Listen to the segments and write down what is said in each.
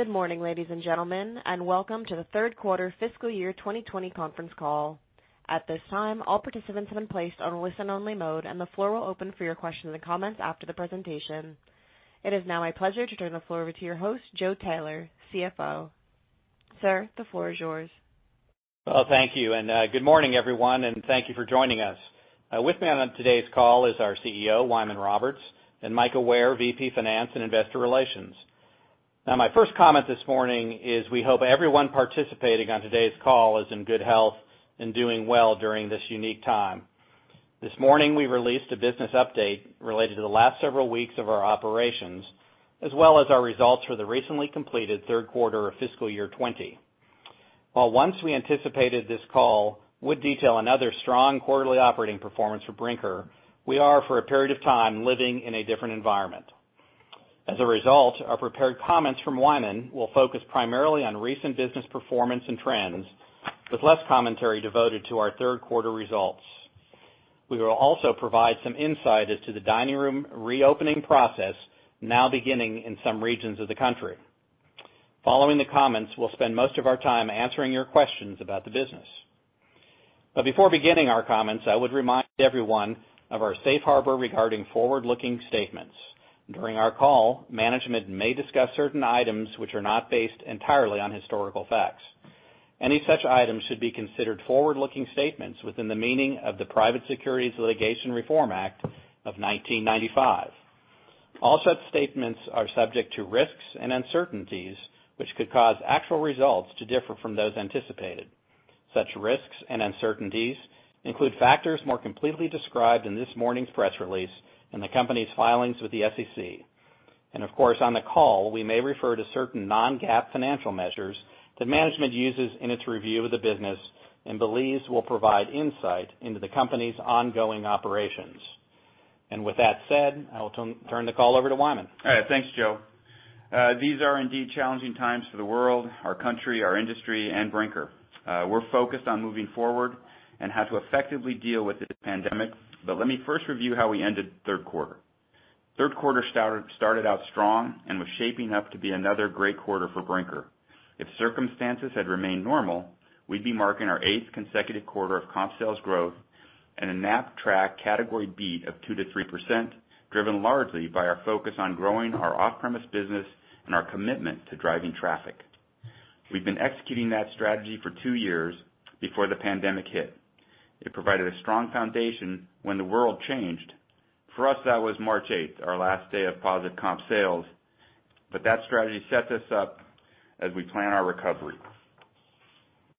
Good morning, ladies and gentlemen, and welcome to the third quarter fiscal year 2020 conference call. At this time, all participants have been placed on listen-only mode, and the floor will open for your questions and comments after the presentation. It is now my pleasure to turn the floor over to your host, Joe Taylor, CFO. Sir, the floor is yours. Well, thank you. Good morning, everyone, and thank you for joining us. With me on today's call is our CEO, Wyman Roberts, and Mika Ware, VP Finance and Investor Relations. Now, my first comment this morning is we hope everyone participating on today's call is in good health and doing well during this unique time. This morning, we released a business update related to the last several weeks of our operations, as well as our results for the recently completed third quarter of fiscal year 2020. While once we anticipated this call would detail another strong quarterly operating performance for Brinker, we are, for a period of time, living in a different environment. As a result, our prepared comments from Wyman will focus primarily on recent business performance and trends, with less commentary devoted to our third quarter results. We will also provide some insight as to the dining room reopening process now beginning in some regions of the country. Following the comments, we'll spend most of our time answering your questions about the business. Before beginning our comments, I would remind everyone of our safe harbor regarding forward-looking statements. During our call, management may discuss certain items which are not based entirely on historical facts. Any such items should be considered forward-looking statements within the meaning of the Private Securities Litigation Reform Act of 1995. All such statements are subject to risks and uncertainties, which could cause actual results to differ from those anticipated. Such risks and uncertainties include factors more completely described in this morning's press release and the company's filings with the SEC. Of course, on the call, we may refer to certain non-GAAP financial measures that management uses in its review of the business and believes will provide insight into the company's ongoing operations. With that said, I will turn the call over to Wyman. All right. Thanks, Joe. These are indeed challenging times for the world, our country, our industry, and Brinker. We're focused on moving forward and how to effectively deal with this pandemic, but let me first review how we ended third quarter. Third quarter started out strong and was shaping up to be another great quarter for Brinker. If circumstances had remained normal, we'd be marking our eighth consecutive quarter of comp sales growth and a Knapp-Track category beat of 2%-3%, driven largely by our focus on growing our off-premise business and our commitment to driving traffic. We've been executing that strategy for two years before the pandemic hit. It provided a strong foundation when the world changed. For us, that was March 8th, our last day of positive comp sales, but that strategy set us up as we plan our recovery.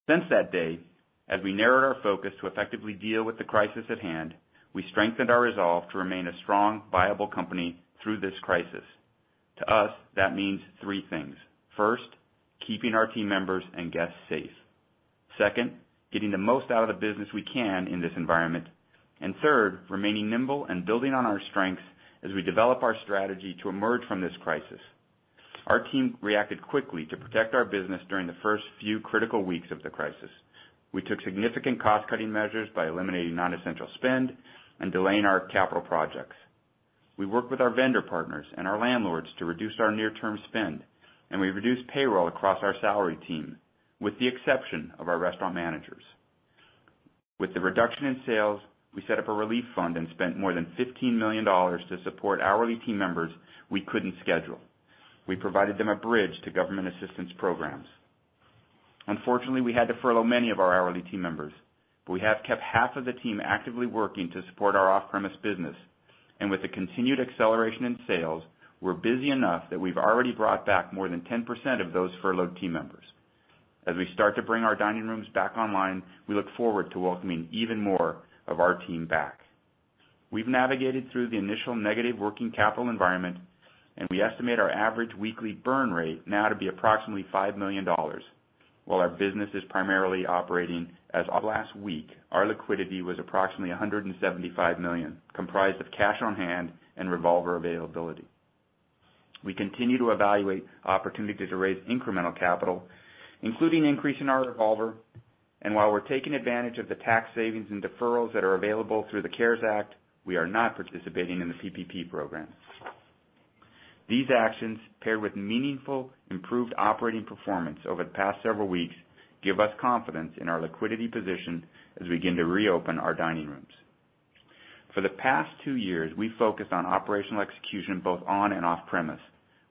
Since that day, as we narrowed our focus to effectively deal with the crisis at hand, we strengthened our resolve to remain a strong, viable company through this crisis. To us, that means three things. First, keeping our team members and guests safe. Second, getting the most out of the business we can in this environment. Third, remaining nimble and building on our strengths as we develop our strategy to emerge from this crisis. Our team reacted quickly to protect our business during the first few critical weeks of the crisis. We took significant cost-cutting measures by eliminating non-essential spend and delaying our capital projects. We worked with our vendor partners and our landlords to reduce our near-term spend, and we reduced payroll across our salary team, with the exception of our restaurant managers. With the reduction in sales, we set up a relief fund and spent more than $15 million to support hourly team members we couldn't schedule. We provided them a bridge to government assistance programs. Unfortunately, we had to furlough many of our hourly team members. We have kept half of the team actively working to support our off-premise business. With the continued acceleration in sales, we're busy enough that we've already brought back more than 10% of those furloughed team members. As we start to bring our dining rooms back online, we look forward to welcoming even more of our team back. We've navigated through the initial negative working capital environment. We estimate our average weekly burn rate now to be approximately $5 million. While our business is primarily operating as of last week, our liquidity was approximately $175 million, comprised of cash on hand and revolver availability. We continue to evaluate opportunities to raise incremental capital, including increasing our revolver. While we're taking advantage of the tax savings and deferrals that are available through the CARES Act, we are not participating in the PPP program. These actions, paired with meaningful improved operating performance over the past several weeks, give us confidence in our liquidity position as we begin to reopen our dining rooms. For the past two years, we focused on operational execution, both on and off-premise,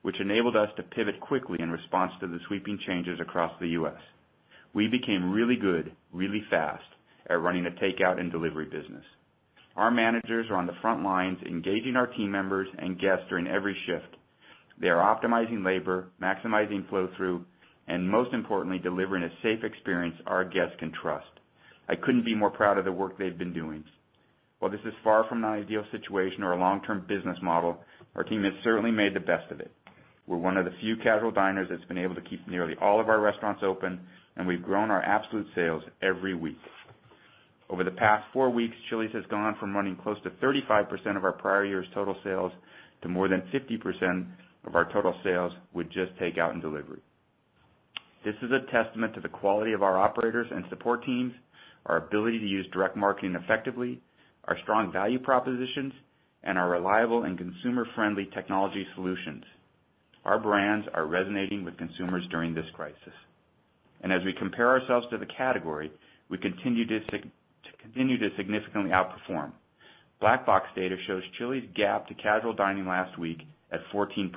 which enabled us to pivot quickly in response to the sweeping changes across the U.S. We became really good, really fast at running a takeout and delivery business. Our managers are on the front lines, engaging our team members and guests during every shift. They are optimizing labor, maximizing flow-through, and most importantly, delivering a safe experience our guests can trust. I couldn't be more proud of the work they've been doing. While this is far from an ideal situation or a long-term business model, our team has certainly made the best of it. We're one of the few casual diners that's been able to keep nearly all of our restaurants open, and we've grown our absolute sales every week. Over the past four weeks, Chili's has gone from running close to 35% of our prior year's total sales to more than 50% of our total sales with just takeout and delivery. This is a testament to the quality of our operators and support teams, our ability to use direct marketing effectively, our strong value propositions, and our reliable and consumer-friendly technology solutions. Our brands are resonating with consumers during this crisis. As we compare ourselves to the category, we continue to significantly outperform. Black Box data shows Chili's gap to casual dining last week at 14%,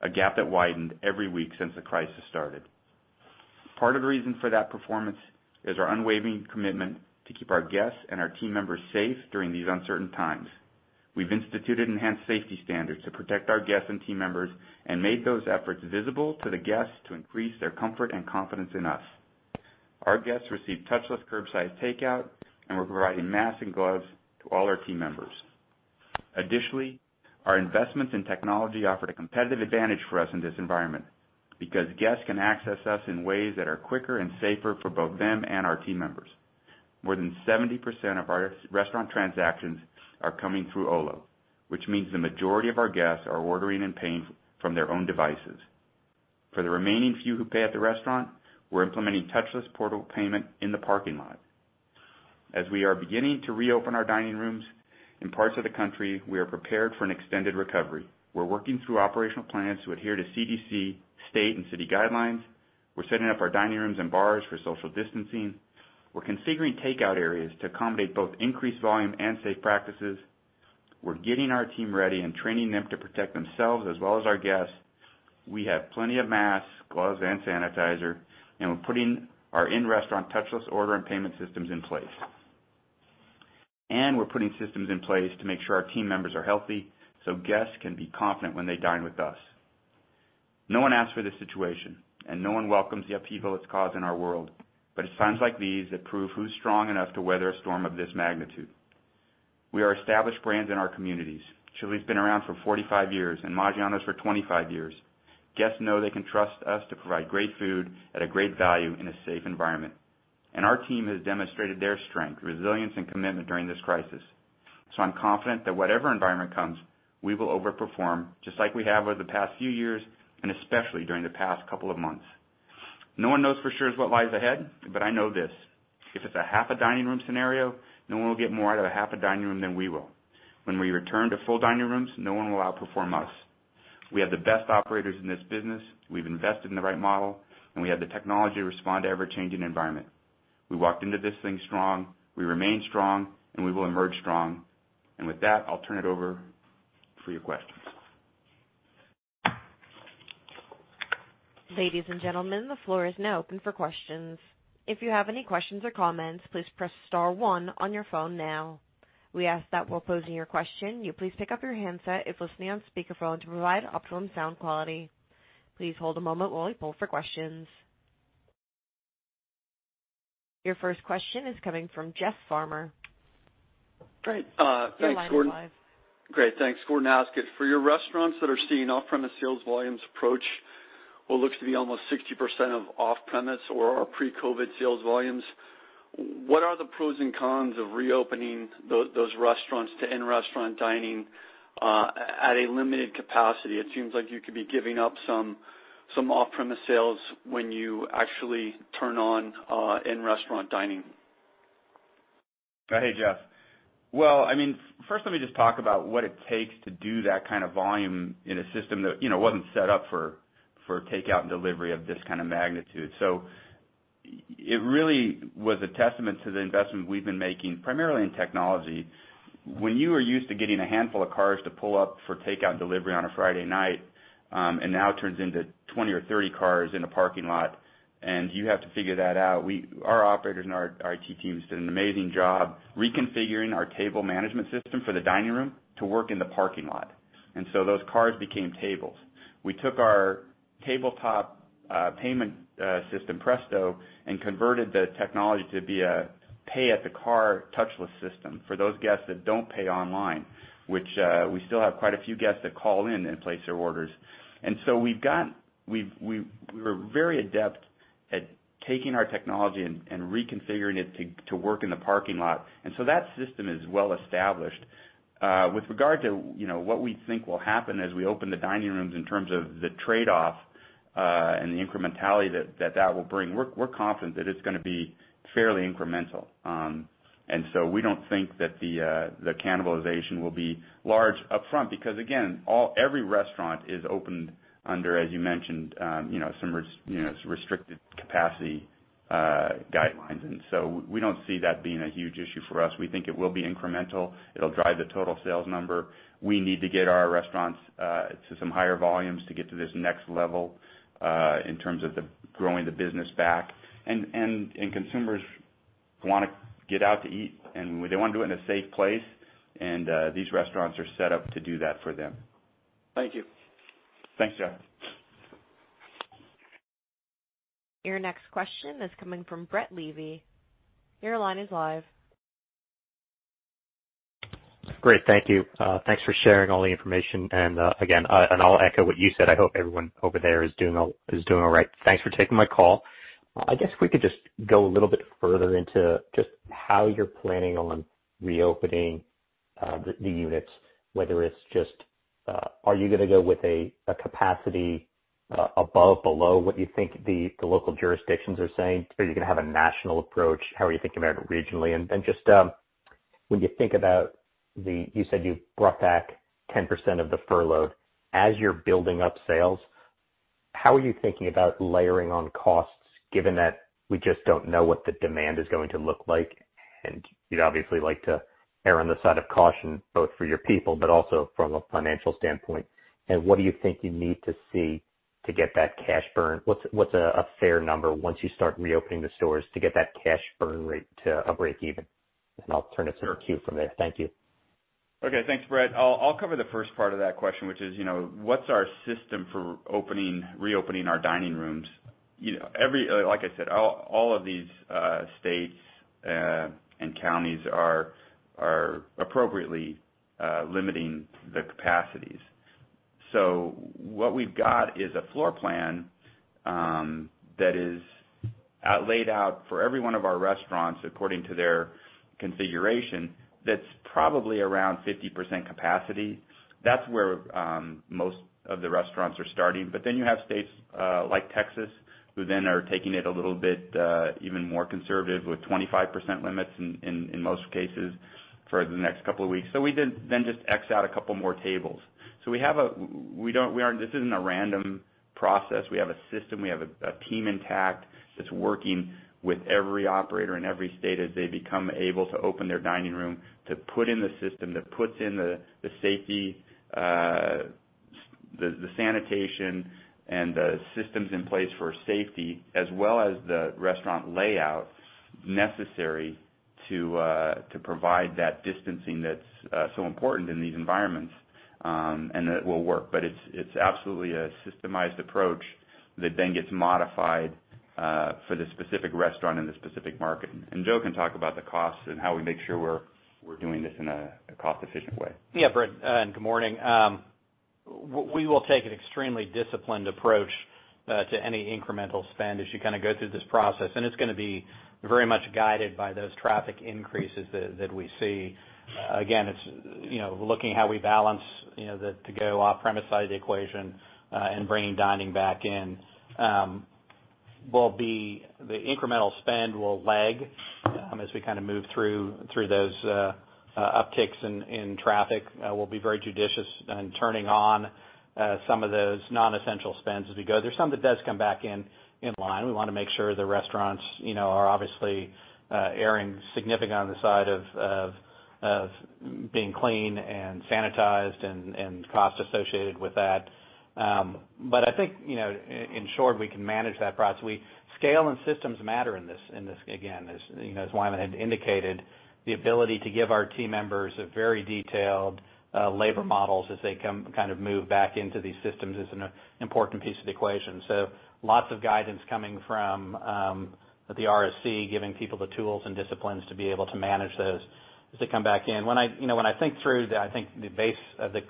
a gap that widened every week since the crisis started. Part of the reason for that performance is our unwavering commitment to keep our guests and our team members safe during these uncertain times. We've instituted enhanced safety standards to protect our guests and team members and made those efforts visible to the guests to increase their comfort and confidence in us. Our guests receive touchless curbside takeout, and we're providing masks and gloves to all our team members. Additionally, our investments in technology offered a competitive advantage for us in this environment because guests can access us in ways that are quicker and safer for both them and our team members. More than 70% of our restaurant transactions are coming through Olo, which means the majority of our guests are ordering and paying from their own devices. For the remaining few who pay at the restaurant, we're implementing touchless portal payment in the parking lot. As we are beginning to reopen our dining rooms in parts of the country, we are prepared for an extended recovery. We're working through operational plans to adhere to CDC, state, and city guidelines. We're setting up our dining rooms and bars for social distancing. We're configuring takeout areas to accommodate both increased volume and safe practices. We're getting our team ready and training them to protect themselves as well as our guests. We have plenty of masks, gloves, and sanitizer, and we're putting our in-restaurant touchless order and payment systems in place. We're putting systems in place to make sure our team members are healthy so guests can be confident when they dine with us. No one asked for this situation, and no one welcomes the upheaval it's caused in our world. It's times like these that prove who's strong enough to weather a storm of this magnitude. We are established brands in our communities. Chili's been around for 45 years, and Maggiano's for 25 years. Guests know they can trust us to provide great food at a great value in a safe environment. Our team has demonstrated their strength, resilience, and commitment during this crisis. I'm confident that whatever environment comes, we will over-perform just like we have over the past few years, and especially during the past couple of months. No one knows for sure what lies ahead, but I know this: if it's a half a dining room scenario, no one will get more out of a half a dining room than we will. When we return to full dining rooms, no one will outperform us. We have the best operators in this business, we've invested in the right model, and we have the technology to respond to ever-changing environment. We walked into this thing strong, we remain strong, and we will emerge strong. With that, I'll turn it over for your questions. Ladies and gentlemen, the floor is now open for questions. If you have any questions or comments, please press star one on your phone now. We ask that while posing your question, you please pick up your handset if listening on speakerphone to provide optimum sound quality. Please hold a moment while we poll for questions. Your first question is coming from Jeff Farmer. Great. Your line is live. Great. Thanks, Gordon Haskett. For your restaurants that are seeing off-premise sales volumes approach what looks to be almost 60% of off-premise or our pre-COVID sales volumes, what are the pros and cons of reopening those restaurants to in-restaurant dining at a limited capacity? It seems like you could be giving up some off-premise sales when you actually turn on in-restaurant dining. Hey, Jeff. Well, first let me just talk about what it takes to do that kind of volume in a system that wasn't set up for takeout and delivery of this kind of magnitude. It really was a testament to the investment we've been making, primarily in technology. When you are used to getting a handful of cars to pull up for takeout and delivery on a Friday night, and now it turns into 20 or 30 cars in a parking lot, and you have to figure that out, our operators and our IT teams did an amazing job reconfiguring our table management system for the dining room to work in the parking lot. Those cars became tables. We took our tabletop payment system, Presto, and converted the technology to be a pay at the car touchless system for those guests that don't pay online, which we still have quite a few guests that call in and place their orders. We were very adept at taking our technology and reconfiguring it to work in the parking lot. That system is well established. With regard to what we think will happen as we open the dining rooms in terms of the trade-off, and the incrementality that that will bring, we're confident that it's going to be fairly incremental. We don't think that the cannibalization will be large upfront because, again, every restaurant is opened under, as you mentioned, some restricted capacity guidelines. We don't see that being a huge issue for us. We think it will be incremental. It'll drive the total sales number. We need to get our restaurants to some higher volumes to get to this next level in terms of growing the business back. Consumers want to get out to eat, and they want to do it in a safe place. These restaurants are set up to do that for them. Thank you. Thanks, Jeff. Your next question is coming from Brett Levy. Your line is live. Great. Thank you. Thanks for sharing all the information. Again, and I'll echo what you said, I hope everyone over there is doing all right. Thanks for taking my call. I guess if we could just go a little bit further into just how you're planning on reopening the units, whether it's just are you going to go with a capacity above, below what you think the local jurisdictions are saying? Are you going to have a national approach? How are you thinking about it regionally? Just when you think about, you said you brought back 10% of the furloughed. As you're building up sales, how are you thinking about layering on costs, given that we just don't know what the demand is going to look like, and you'd obviously like to err on the side of caution, both for your people, but also from a financial standpoint. What do you think you need to see to get that cash burn? What's a fair number once you start reopening the stores to get that cash burn rate to a break even? I'll turn it to queue from there. Thank you. Okay. Thanks, Brett. I'll cover the first part of that question, which is, what's our system for reopening our dining rooms? Like I said, all of these states and counties are appropriately limiting the capacities. What we've got is a floor plan that is laid out for every one of our restaurants according to their configuration that's probably around 50% capacity. That's where most of the restaurants are starting. You have states like Texas, who then are taking it a little bit even more conservative with 25% limits in most cases for the next couple of weeks. We then just X out a couple more tables. This isn't a random process. We have a system. We have a team intact that's working with every operator in every state as they become able to open their dining room, to put in the system that puts in the safety, the sanitation and the systems in place for safety as well as the restaurant layout necessary to provide that distancing that's so important in these environments. That will work. It's absolutely a systemized approach that then gets modified for the specific restaurant in the specific market. Joe can talk about the costs and how we make sure we're doing this in a cost-efficient way. Yeah, Brett. Good morning. We will take an extremely disciplined approach to any incremental spend as you go through this process, and it's going to be very much guided by those traffic increases that we see. Again, it's looking how we balance to go off-premise side of the equation, and bringing dining back in. The incremental spend will lag as we move through those upticks in traffic. We'll be very judicious in turning on some of those non-essential spends as we go. There's some that does come back in line. We want to make sure the restaurants are obviously erring significant on the side of being clean and sanitized and cost associated with that. I think, in short, we can manage that process. Scale and systems matter in this, again, as Wyman had indicated. The ability to give our team members a very detailed labor models as they move back into these systems is an important piece of the equation. Lots of guidance coming from the RSC, giving people the tools and disciplines to be able to manage those as they come back in. When I think through, I think the base of the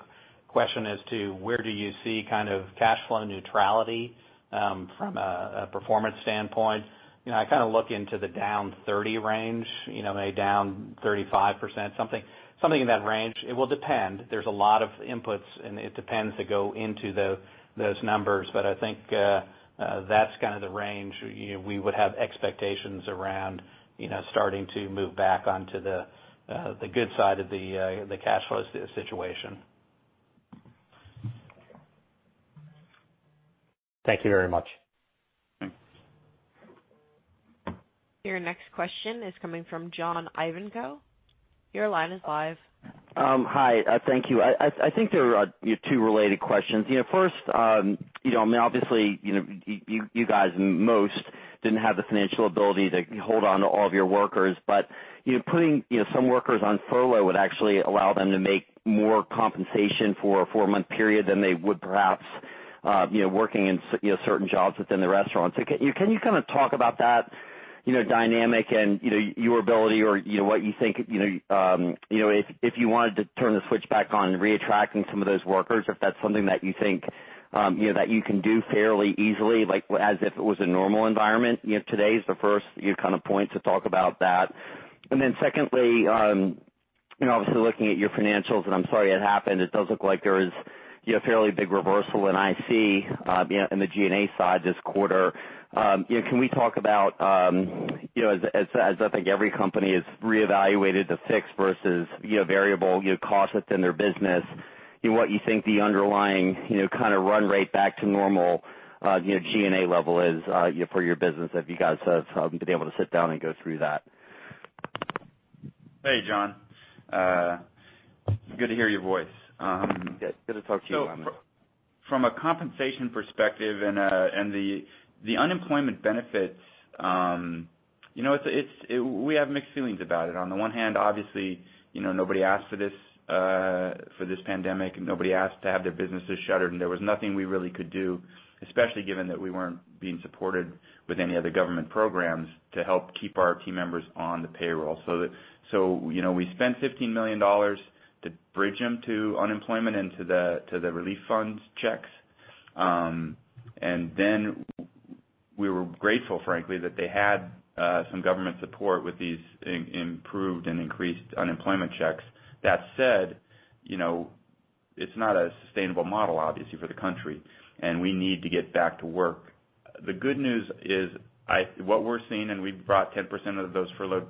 question as to where do you see cash flow neutrality from a performance standpoint, I look into the down 30 range, maybe down 35%, something in that range. It will depend. There's a lot of inputs, and it depends to go into those numbers. I think that's the range we would have expectations around starting to move back onto the good side of the cash flow situation. Thank you very much. Your next question is coming from John Ivankoe. Your line is live. Hi. Thank you. I think there are two related questions. First, obviously, you guys most didn't have the financial ability to hold onto all of your workers, but putting some workers on furlough would actually allow them to make more compensation for a four-month period than they would perhaps working in certain jobs within the restaurant. Can you talk about that dynamic and your ability or what you think if you wanted to turn the switch back on re-attracting some of those workers, if that's something that you think that you can do fairly easily, as if it was a normal environment? Today's the first point to talk about that. Secondly, obviously looking at your financials, and I'm sorry it happened, it does look like there is a fairly big reversal in IC, in the G&A side this quarter. Can we talk about, as I think every company has reevaluated the fixed versus variable costs within their business, what you think the underlying run-rate back to normal G&A level is for your business, if you guys have been able to sit down and go through that? Hey, John. Good to hear your voice. Yeah. Good to talk to you, Wyman. From a compensation perspective and the unemployment benefits, we have mixed feelings about it. On the one hand, obviously, nobody asked for this pandemic, nobody asked to have their businesses shuttered, and there was nothing we really could do, especially given that we weren't being supported with any of the government programs to help keep our team members on the payroll. We spent $15 million to bridge them to unemployment and to the relief funds checks. We were grateful, frankly, that they had some government support with these improved and increased unemployment checks. That said, it's not a sustainable model, obviously, for the country, and we need to get back to work. The good news is, what we're seeing, we've brought 10% of those furloughed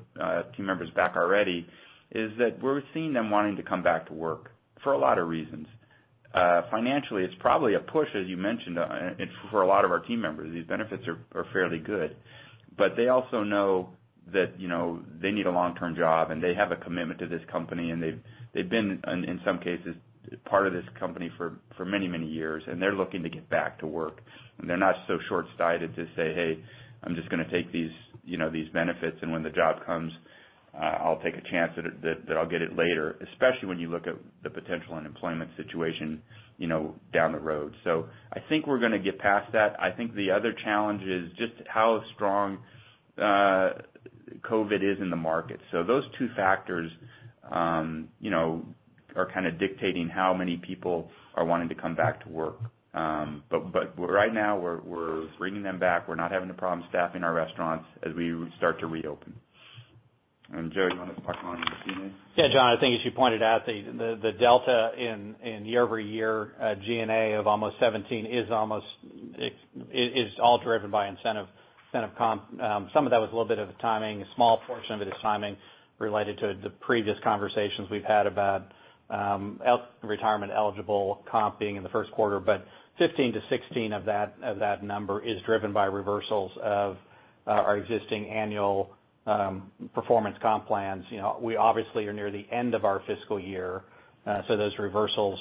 team members back already, is that we're seeing them wanting to come back to work for a lot of reasons. Financially, it's probably a push, as you mentioned, for a lot of our team members. These benefits are fairly good. They also know that they need a long-term job, and they have a commitment to this company, and they've been, in some cases, part of this company for many, many years, and they're looking to get back to work. They're not so shortsighted to say, "Hey, I'm just going to take these benefits, and when the job comes, I'll take a chance that I'll get it later." Especially when you look at the potential unemployment situation down the road. I think we're going to get past that. I think the other challenge is just how strong COVID is in the market. Those two factors are kind of dictating how many people are wanting to come back to work. Right now, we're bringing them back. We're not having a problem staffing our restaurants as we start to reopen. Joe, do you want to talk on the stimulus? John, I think as you pointed out, the delta in year-over-year G&A of almost 17 is all driven by incentive comp. Some of that was a little bit of timing. A small portion of it is timing related to the previous conversations we've had about retirement-eligible comping in the first quarter. 15-16 of that number is driven by reversals of our existing annual performance comp plans. We obviously are near the end of our fiscal year. Those reversals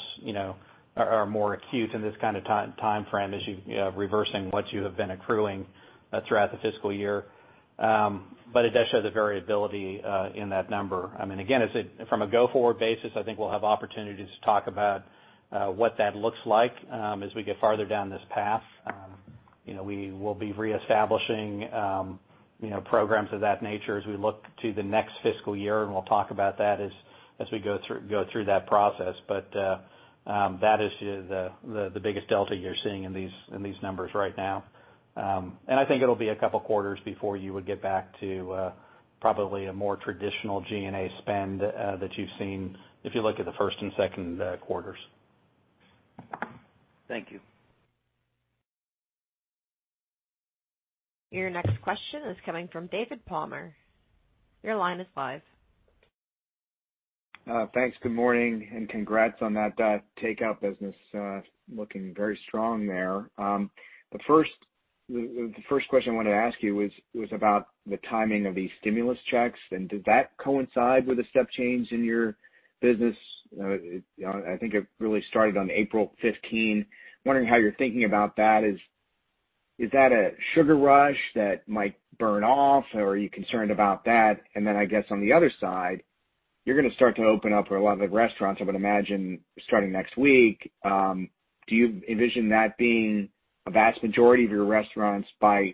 are more acute in this kind of time frame as you're reversing what you have been accruing throughout the fiscal year. It does show the variability in that number. Again, from a go-forward basis, I think we'll have opportunities to talk about what that looks like as we get farther down this path. We will be reestablishing programs of that nature as we look to the next fiscal year. We'll talk about that as we go through that process. That is the biggest delta you're seeing in these numbers right now. I think it'll be a couple of quarters before you would get back to probably a more traditional G&A spend that you've seen if you look at the first and second quarters. Thank you. Your next question is coming from David Palmer. Your line is live. Thanks. Good morning, congrats on that takeout business. Looking very strong there. The first question I wanted to ask you was about the timing of these stimulus checks, and did that coincide with a step change in your business? I think it really started on April 15. Wondering how you're thinking about that. Is that a sugar rush that might burn off, or are you concerned about that? I guess on the other side, you're going to start to open up a lot of the restaurants, I would imagine, starting next week. Do you envision that being a vast majority of your restaurants by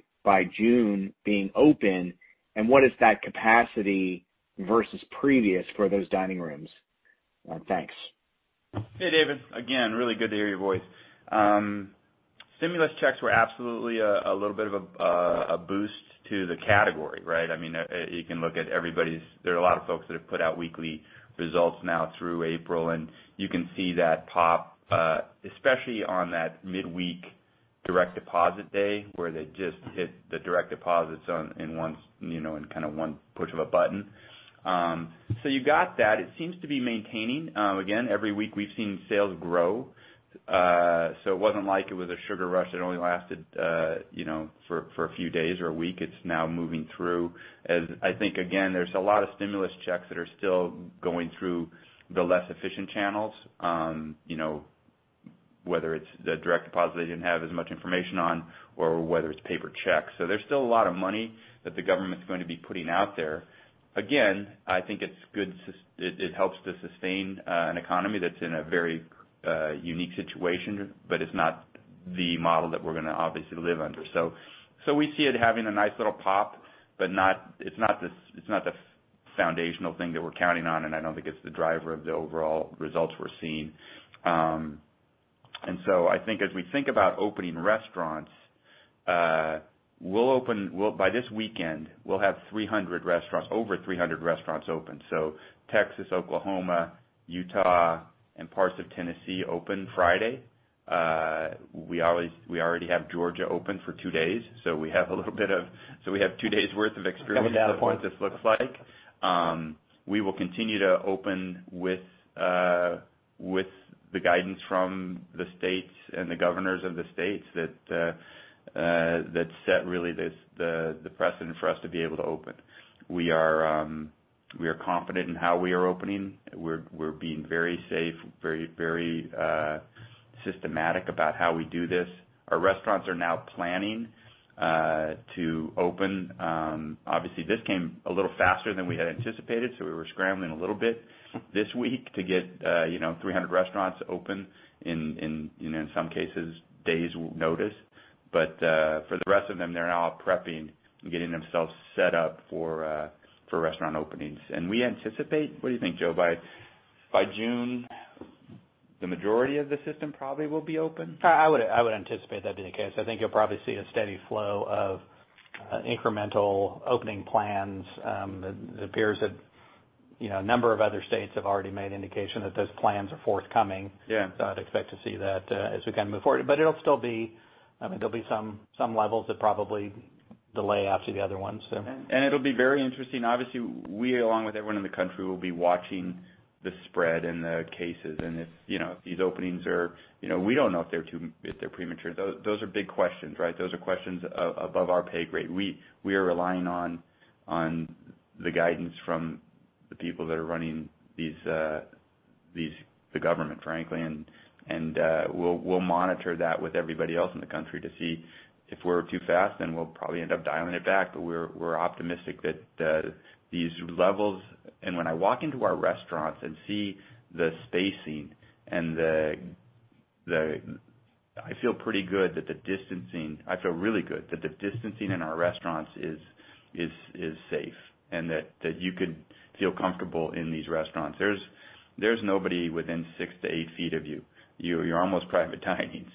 June being open? What is that capacity versus previous for those dining rooms? Thanks. Hey, David. Again, really good to hear your voice. Stimulus checks were absolutely a little bit of a boost to the category, right? There are a lot of folks that have put out weekly results now through April, and you can see that pop, especially on that midweek direct deposit day, where they just hit the direct deposits in kind of one push of a button. You got that. It seems to be maintaining. Again, every week we've seen sales grow. It wasn't like it was a sugar rush that only lasted for a few days or a week. It's now moving through. I think, again, there's a lot of stimulus checks that are still going through the less efficient channels, whether it's the direct deposit they didn't have as much information on or whether it's paper checks. There's still a lot of money that the government's going to be putting out there. Again, I think it helps to sustain an economy that's in a very unique situation, but it's not the model that we're going to obviously live under. We see it having a nice little pop, but it's not the foundational thing that we're counting on, and I don't think it's the driver of the overall results we're seeing. I think as we think about opening restaurants, by this weekend, we'll have over 300 restaurants open. Texas, Oklahoma, Utah, and parts of Tennessee open Friday. We already have Georgia open for two days. We have two days worth of experience of what this looks like. We will continue to open with the guidance from the states and the governors of the states that set really the precedent for us to be able to open. We are confident in how we are opening. We're being very safe, very systematic about how we do this. Our restaurants are now planning to open. Obviously, this came a little faster than we had anticipated, so we were scrambling a little bit this week to get 300 restaurants open in some cases, days notice. For the rest of them, they're now prepping and getting themselves set up for restaurant openings. We anticipate, what do you think, Joe, by June, the majority of the system probably will be open? I would anticipate that'd be the case. I think you'll probably see a steady flow of incremental opening plans. It appears that a number of other states have already made indication that those plans are forthcoming. Yeah. I'd expect to see that as we kind of move forward. There'll be some levels that probably delay after the other ones. It'll be very interesting. Obviously, we, along with everyone in the country, will be watching the spread and the cases. We don't know if they're premature. Those are big questions, right? Those are questions above our pay grade. We are relying on the guidance from the people that are running the government, frankly. We'll monitor that with everybody else in the country to see if we're too fast, then we'll probably end up dialing it back. When I walk into our restaurants and see the spacing, I feel really good that the distancing in our restaurants is safe and that you could feel comfortable in these restaurants. There's nobody within six to eight feet of you. You're almost private dining.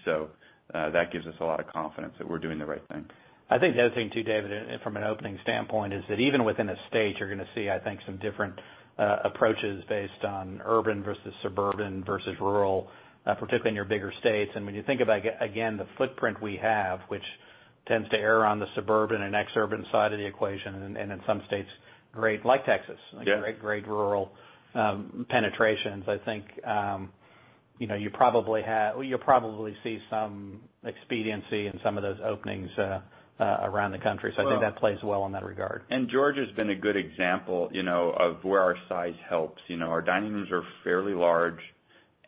That gives us a lot of confidence that we're doing the right thing. I think the other thing too, David, from an opening standpoint, is that even within a state, you're going to see, I think, some different approaches based on urban versus suburban versus rural, particularly in your bigger states. When you think about, again, the footprint we have, which tends to err on the suburban and exurban side of the equation, and in some states, like Texas- Yeah great rural penetrations. I think you'll probably see some expediency in some of those openings around the country. I think that plays well in that regard. Georgia's been a good example of where our size helps. Our dining rooms are fairly large,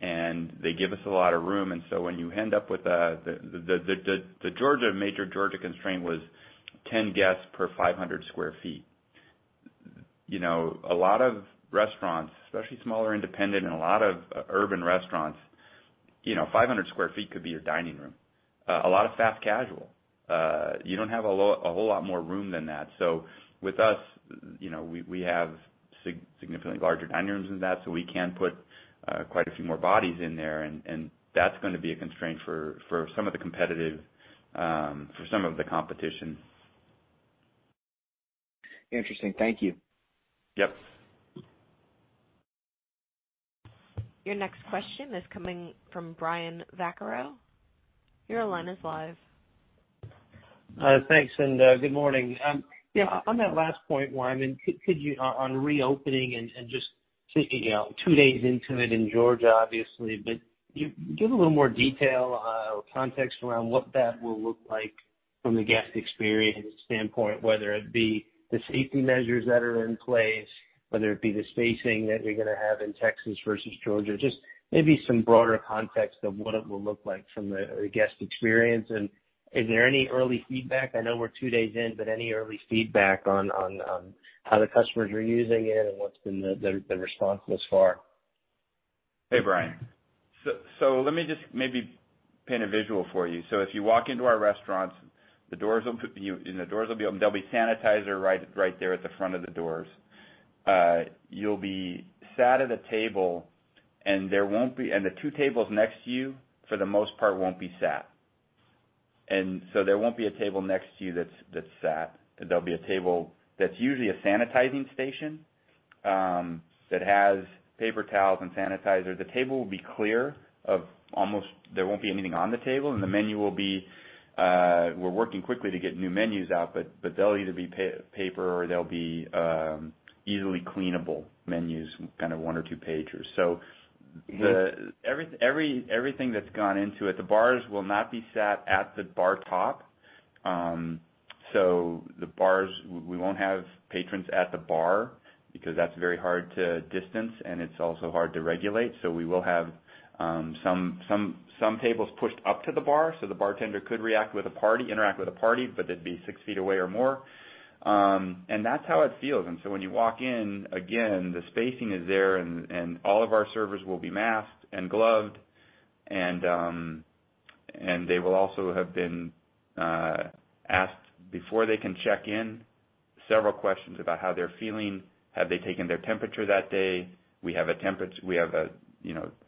and they give us a lot of room. When you end up with the major Georgia constraint was 10 guests per 500 sq ft. A lot of restaurants, especially smaller, independent, and a lot of urban restaurants, 500 sq ft could be a dining room. A lot of fast casual. You don't have a whole lot more room than that. With us, we have significantly larger dining rooms than that, so we can put quite a few more bodies in there, and that's going to be a constraint for some of the competition. Interesting. Thank you. Yep. Your next question is coming from Brian Vaccaro. Your line is live. Thanks, and good morning. On that last point, Wyman, could you, on reopening and just thinking two days into it in Georgia, obviously, but give a little more detail or context around what that will look like from the guest experience standpoint, whether it be the safety measures that are in place, whether it be the spacing that you're going to have in Texas versus Georgia, just maybe some broader context of what it will look like from the guest experience. Is there any early feedback? I know we're two days in, but any early feedback on how the customers are using it and what's been the response thus far? Hey, Brian. Let me just maybe paint a visual for you. If you walk into our restaurants, the doors will be open. There'll be sanitizer right there at the front of the doors. You'll be sat at a table, and the two tables next to you, for the most part, won't be sat. There won't be a table next to you that's sat. There'll be a table that's usually a sanitizing station, that has paper towels and sanitizer. There won't be anything on the table. We're working quickly to get new menus out, but they'll either be paper or they'll be easily cleanable menus, kind of one or two pagers. Everything that's gone into it. The bars will not be sat at the bar top. The bars, we won't have patrons at the bar because that's very hard to distance, and it's also hard to regulate. We will have some tables pushed up to the bar so the bartender could interact with a party, but they'd be six feet away or more. That's how it feels. When you walk in, again, the spacing is there, and all of our servers will be masked and gloved, and they will also have been asked before they can check in several questions about how they're feeling. Have they taken their temperature that day? We have a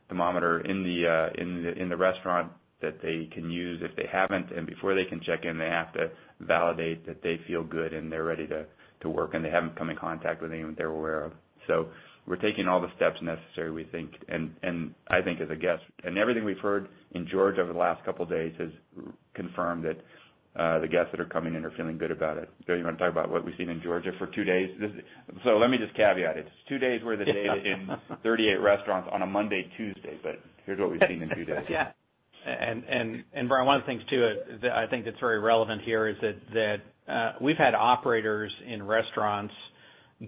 thermometer in the restaurant that they can use if they haven't. Before they can check in, they have to validate that they feel good and they're ready to work, and they haven't come in contact with anyone that they're aware of. We're taking all the steps necessary, we think, and I think as a guest. Everything we've heard in Georgia over the last couple of days has confirmed that the guests that are coming in are feeling good about it. Joe, you want to talk about what we've seen in Georgia for two days? Let me just caveat it. It's two days worth of data in 38 restaurants on a Monday, Tuesday. Here's what we've seen in two days. Yeah. Brian, one of the things, too, I think that's very relevant here is that we've had operators in restaurants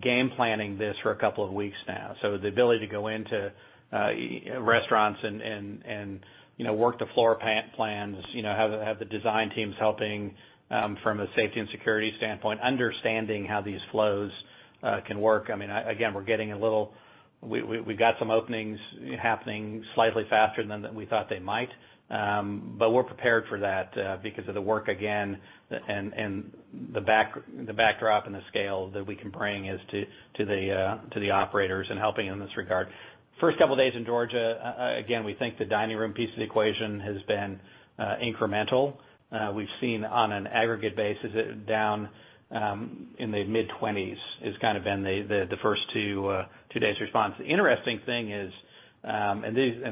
game planning this for a couple of weeks now. The ability to go into restaurants and work the floor plans, have the design teams helping from a safety and security standpoint, understanding how these flows can work. Again, we got some openings happening slightly faster than we thought they might. We're prepared for that because of the work, again, and the backdrop and the scale that we can bring as to the operators and helping in this regard. First couple of days in Georgia, again, we think the dining room piece of the equation has been incremental. We've seen on an aggregate basis it down in the mid-20s, has kind of been the first two days' response. The interesting thing is,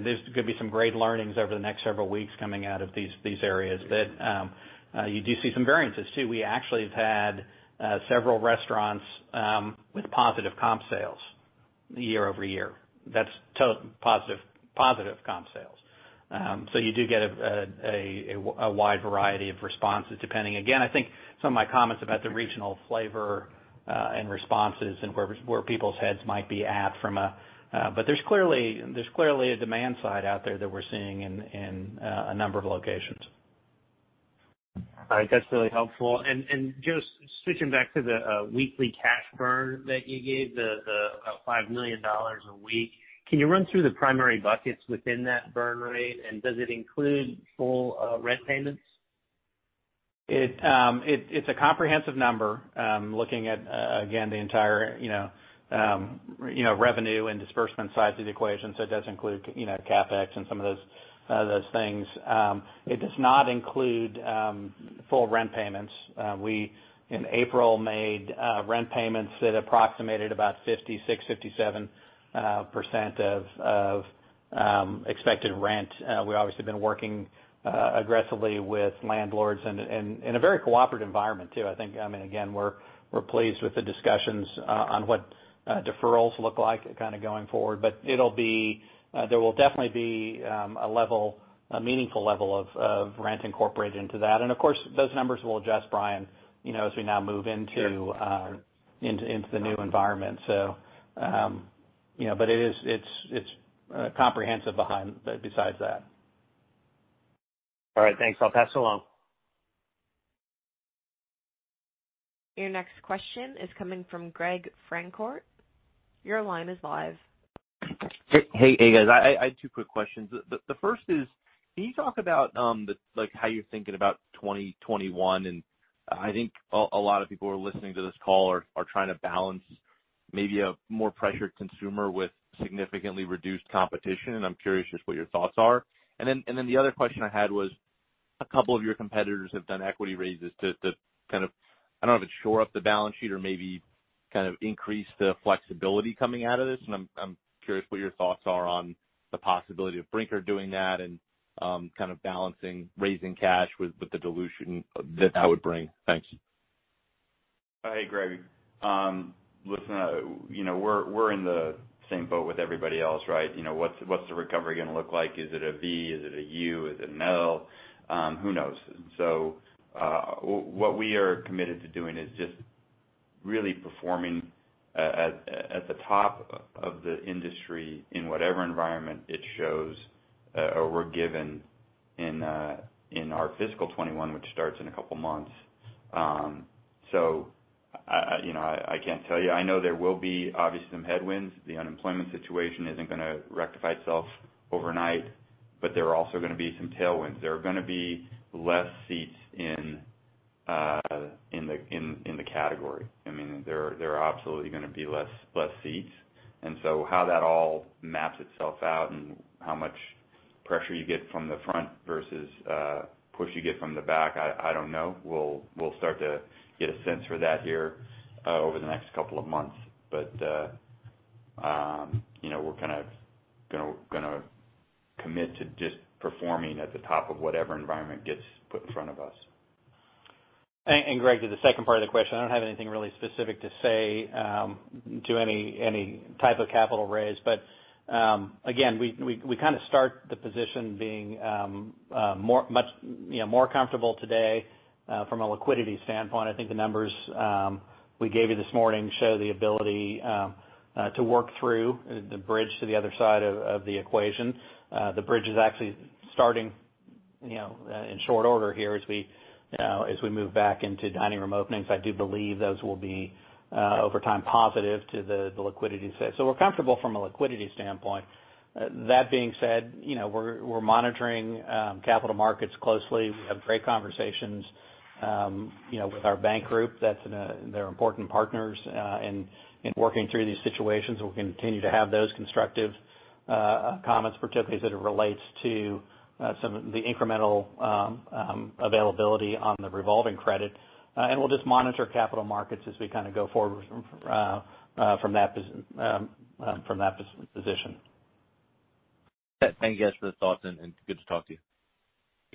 these could be some great learnings over the next several weeks coming out of these areas, that you do see some variances, too. We actually have had several restaurants with positive comp sales year-over-year. That's positive comp sales. You do get a wide variety of responses depending, again, I think some of my comments about the regional flavor and responses and where people's heads might be at. There's clearly a demand side out there that we're seeing in a number of locations. All right. That's really helpful. Just switching back to the weekly cash burn that you gave, the about $5 million a week, can you run through the primary buckets within that burn rate? Does it include full rent payments? It's a comprehensive number, looking at, again, the entire revenue and disbursement side to the equation. It does include CapEx and some of those things. It does not include full rent payments. We, in April, made rent payments that approximated about 56%, 57% of expected rent. We obviously have been working aggressively with landlords in a very cooperative environment, too. I think, again, we're pleased with the discussions on what deferrals look like going forward. There will definitely be a meaningful level of rent incorporated into that. Of course, those numbers will adjust, Brian as we now move into. Sure into the new environment. It's comprehensive besides that. All right. Thanks. I'll pass along. Your next question is coming from Gregory Francfort. Your line is live. Hey guys. I had two quick questions. The first is, can you talk about how you're thinking about 2021? I think a lot of people who are listening to this call are trying to balance maybe a more pressured consumer with significantly reduced competition, and I'm curious just what your thoughts are. The other question I had was, a couple of your competitors have done equity raises to kind of, I don't know if it's shore up the balance sheet or maybe increase the flexibility coming out of this, and I'm curious what your thoughts are on the possibility of Brinker doing that and balancing raising cash with the dilution that that would bring. Thanks. Hey, Greg. Listen, we're in the same boat with everybody else, right? What's the recovery going to look like? Is it a V? Is it a U? Is it an L? Who knows? What we are committed to doing is just really performing at the top of the industry in whatever environment it shows or we're given in our fiscal 2021, which starts in a couple of months. I can't tell you. I know there will be obviously some headwinds. The unemployment situation isn't going to rectify itself overnight. There are also going to be some tailwinds. There are going to be less seats in the category. There are absolutely going to be less seats. How that all maps itself out and how much pressure you get from the front versus push you get from the back, I don't know. We'll start to get a sense for that here over the next couple of months. We're going to commit to just performing at the top of whatever environment gets put in front of us. Greg, to the second part of the question, I don't have anything really specific to say to any type of capital raise. Again, we start the position being more comfortable today from a liquidity standpoint. I think the numbers we gave you this morning show the ability to work through the bridge to the other side of the equation. The bridge is actually starting in short order here as we move back into dining room openings. I do believe those will be over time positive to the liquidity side. We're comfortable from a liquidity standpoint. That being said, we're monitoring capital markets closely. We have great conversations with our bank group. They're important partners in working through these situations, and we'll continue to have those constructive comments, particularly as it relates to some of the incremental availability on the revolving credit. We'll just monitor capital markets as we go forward from that position. Thank you, guys, for the thoughts, and good to talk to you.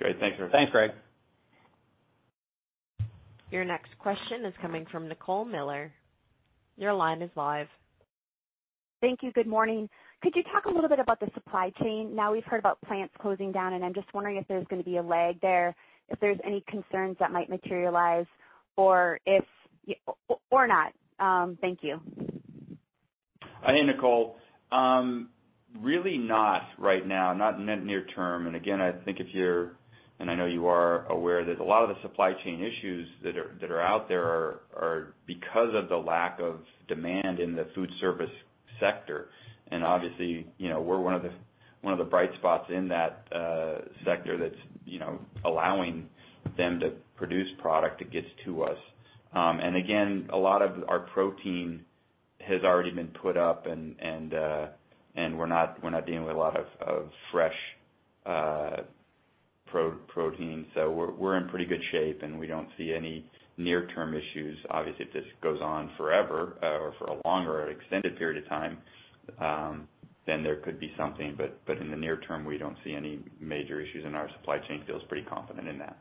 Great. Thanks. Thanks, Greg. Your next question is coming from Nicole Miller. Your line is live. Thank you. Good morning. Could you talk a little bit about the supply chain? Now we've heard about plants closing down, and I'm just wondering if there's going to be a lag there, if there's any concerns that might materialize, or not. Thank you. Hey, Nicole. Really not right now, not in the near term. Again, I think if you're, and I know you are aware, that a lot of the supply chain issues that are out there are because of the lack of demand in the food service sector. Obviously, we're one of the bright spots in that sector that's allowing them to produce product that gets to us. Again, a lot of our protein has already been put up and we're not dealing with a lot of fresh protein. We're in pretty good shape, and we don't see any near-term issues. Obviously, if this goes on forever or for a longer, extended period of time, then there could be something. In the near term, we don't see any major issues in our supply chain. Feel pretty confident in that.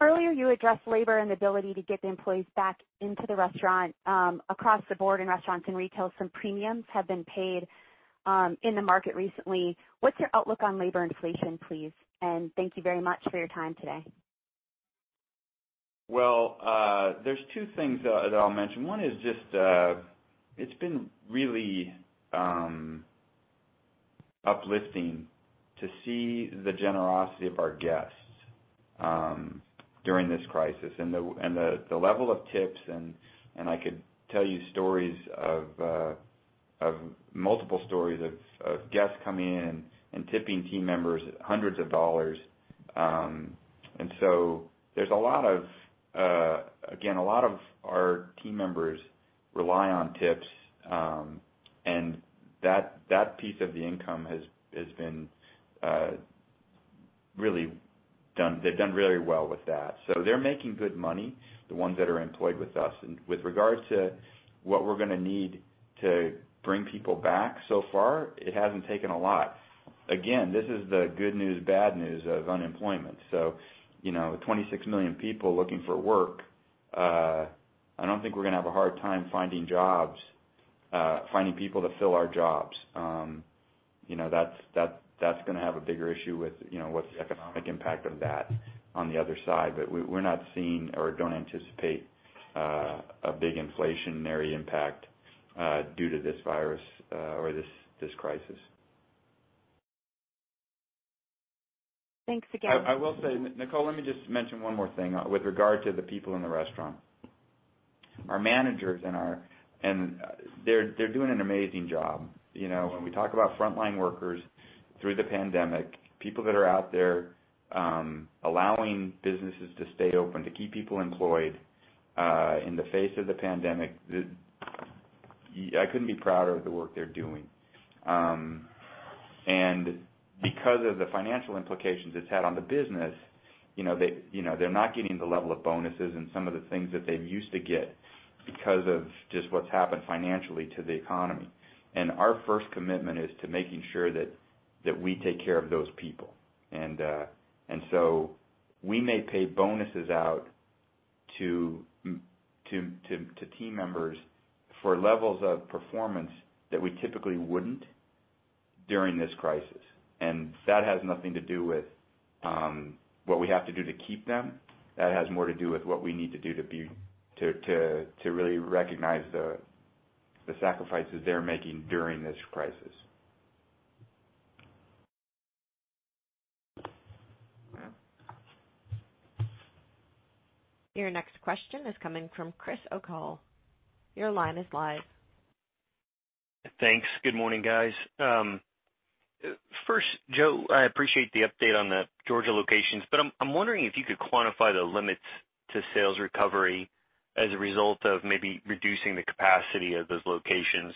Earlier you addressed labor and ability to get the employees back into the restaurant. Across the board in restaurants and retail, some premiums have been paid in the market recently. What's your outlook on labor inflation, please? Thank you very much for your time today. Well, there's two things that I'll mention. One is just, it's been really uplifting to see the generosity of our guests during this crisis, the level of tips, I could tell you multiple stories of guests coming in and tipping team members hundreds of dollars. Again, a lot of our team members rely on tips, that piece of the income, they've done really well with that. They're making good money, the ones that are employed with us. With regards to what we're going to need to bring people back so far, it hasn't taken a lot. Again, this is the good news, bad news of unemployment. 26 million people looking for work, I don't think we're going to have a hard time finding people to fill our jobs. That's going to have a bigger issue with the economic impact of that on the other side. We're not seeing or don't anticipate a big inflationary impact due to this virus or this crisis. Thanks again. I will say, Nicole, let me just mention one more thing with regard to the people in the restaurant. Our managers, they're doing an amazing job. When we talk about frontline workers through the pandemic, people that are out there allowing businesses to stay open, to keep people employed, in the face of the pandemic, I couldn't be prouder of the work they're doing. Because of the financial implications it's had on the business, they're not getting the level of bonuses and some of the things that they used to get because of just what's happened financially to the economy. Our first commitment is to making sure that we take care of those people. We may pay bonuses out to team members for levels of performance that we typically wouldn't during this crisis. That has nothing to do with what we have to do to keep them. That has more to do with what we need to do to really recognize the sacrifices they're making during this crisis. Your next question is coming from Chris O'Cull. Your line is live. Thanks. Good morning, guys. First, Joe, I appreciate the update on the Georgia locations, but I'm wondering if you could quantify the limits to sales recovery as a result of maybe reducing the capacity of those locations.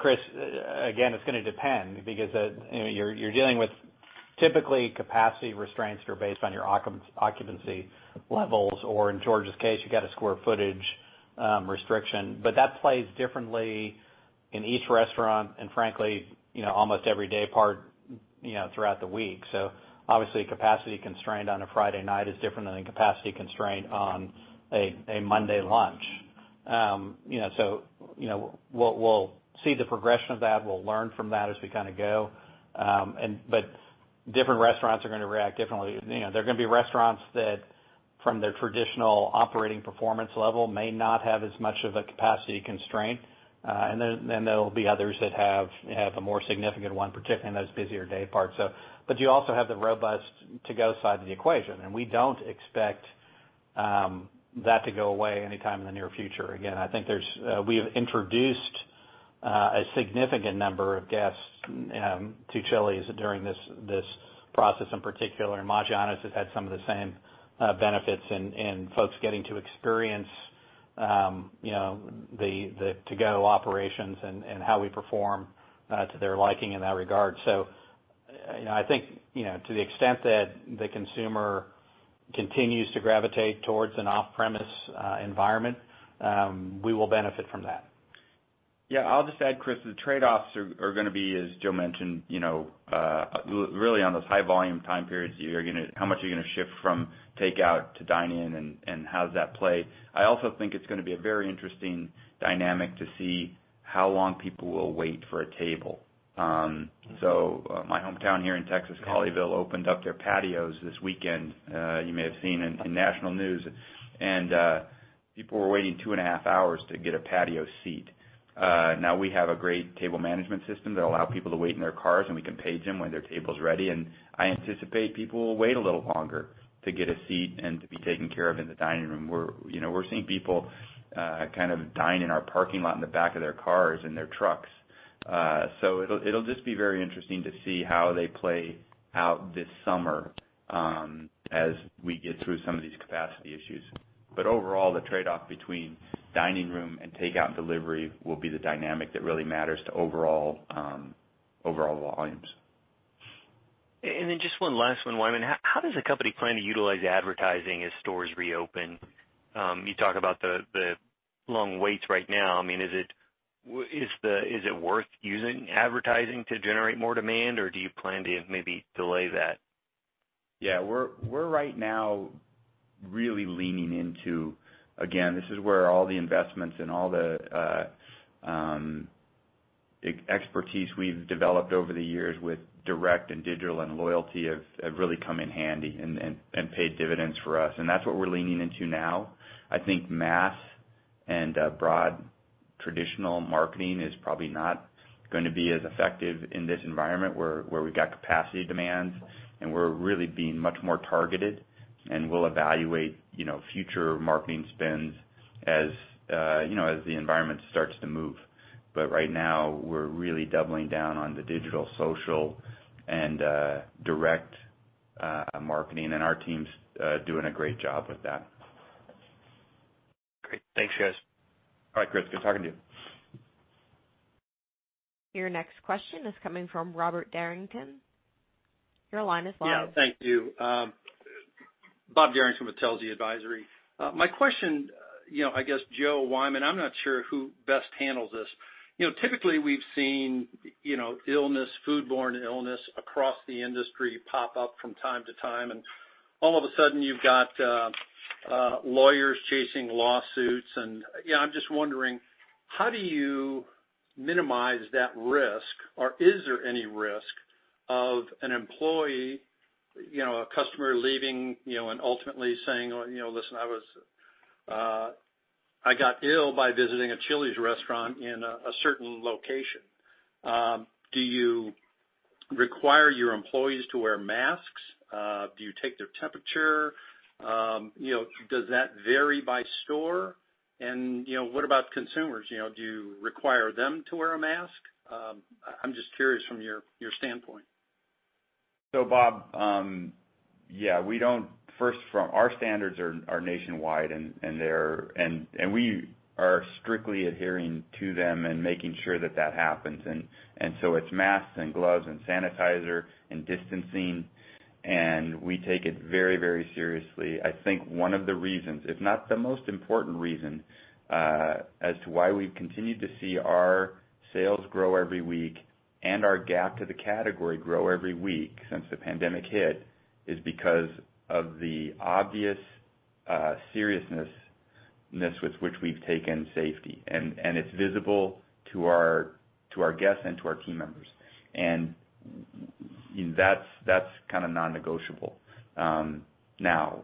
Chris, again, it's going to depend because you're dealing with typically capacity restraints are based on your occupancy levels, or in Georgia's case, you got a square footage restriction. That plays differently in each restaurant and frankly, almost every daypart throughout the week. Obviously, a capacity constraint on a Friday night is different than a capacity constraint on a Monday lunch. We'll see the progression of that. We'll learn from that as we kind of go. Different restaurants are going to react differently. There are going to be restaurants that, from their traditional operating performance level, may not have as much of a capacity constraint. Then there'll be others that have a more significant one, particularly in those busier dayparts. You also have the robust to-go side of the equation, and we don't expect that to go away anytime in the near future. I think we have introduced a significant number of guests to Chili's during this process in particular. Maggiano's has had some of the same benefits in folks getting to experience the to-go operations and how we perform to their liking in that regard. I think to the extent that the consumer continues to gravitate towards an off-premise environment, we will benefit from that. Yeah. I'll just add, Chris, the trade-offs are going to be, as Joe mentioned, really on those high volume time periods, how much are you going to shift from takeout to dine-in, and how does that play? I also think it's going to be a very interesting dynamic to see how long people will wait for a table. My hometown here in Texas, Colleyville, opened up their patios this weekend. You may have seen it in national news. People were waiting two and a half hours to get a patio seat. Now we have a great table management system that allow people to wait in their cars, and we can page them when their table's ready. I anticipate people will wait a little longer to get a seat and to be taken care of in the dining room. We're seeing people kind of dine in our parking lot in the back of their cars and their trucks. It'll just be very interesting to see how they play out this summer, as we get through some of these capacity issues. Overall, the trade-off between dining room and takeout and delivery will be the dynamic that really matters to overall volumes. Just one last one, Wyman. How does the company plan to utilize advertising as stores reopen? You talk about the long waits right now. Is it worth using advertising to generate more demand, or do you plan to maybe delay that? Yeah. We're right now really leaning into, again, this is where all the investments and all the expertise we've developed over the years with direct and digital and loyalty have really come in handy and paid dividends for us. That's what we're leaning into now. I think mass and broad traditional marketing is probably not going to be as effective in this environment where we've got capacity demands, and we're really being much more targeted, and we'll evaluate future marketing spends as the environment starts to move. Right now, we're really doubling down on the digital, social, and direct marketing, and our team's doing a great job with that. Great. Thanks, guys. All right, Chris. Good talking to you. Your next question is coming from Robert Derrington. Your line is live. Yeah. Thank you. Bob Derrington with Telsey Advisory. My question, I guess, Joe, Wyman, I'm not sure who best handles this. Typically, we've seen foodborne illness across the industry pop up from time to time, and all of a sudden, you've got lawyers chasing lawsuits and yeah, I'm just wondering, how do you minimize that risk? Or is there any risk of a customer leaving and ultimately saying, "Listen, I got ill by visiting a Chili's restaurant in a certain location." Do you require your employees to wear masks? Do you take their temperature? Does that vary by store? What about consumers? Do you require them to wear a mask? I'm just curious from your standpoint. Bob, yeah. First, our standards are nationwide, and we are strictly adhering to them and making sure that that happens. It's masks and gloves and sanitizer and distancing, and we take it very seriously. I think one of the reasons, if not the most important reason, as to why we've continued to see our sales grow every week and our gap to the category grow every week since the pandemic hit, is because of the obvious seriousness with which we've taken safety. It's visible to our guests and to our team members. That's kind of non-negotiable. Now,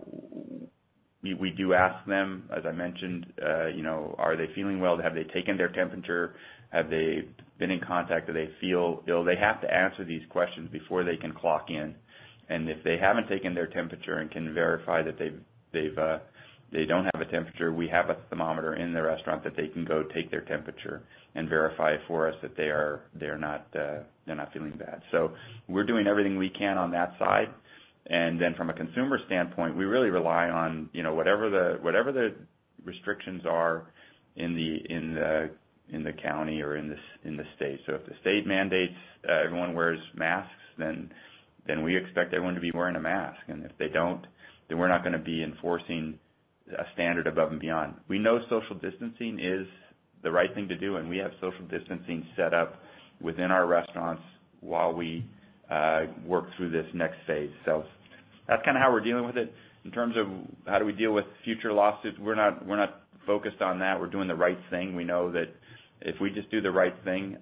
we do ask them, as I mentioned, are they feeling well? Have they taken their temperature? Have they been in contact? Do they feel ill? They have to answer these questions before they can clock in. If they haven't taken their temperature and can verify that they don't have a temperature, we have a thermometer in the restaurant that they can go take their temperature and verify for us that they're not feeling bad. We're doing everything we can on that side. From a consumer standpoint, we really rely on whatever the restrictions are in the county or in the state. If the state mandates everyone wears masks, then we expect everyone to be wearing a mask. If they don't, then we're not going to be enforcing a standard above and beyond. We know social distancing is the right thing to do, and we have social distancing set up within our restaurants while we work through this next phase. That's kind of how we're dealing with it. In terms of how do we deal with future lawsuits, we're not focused on that. We're doing the right thing. We know that if we just do the right thing,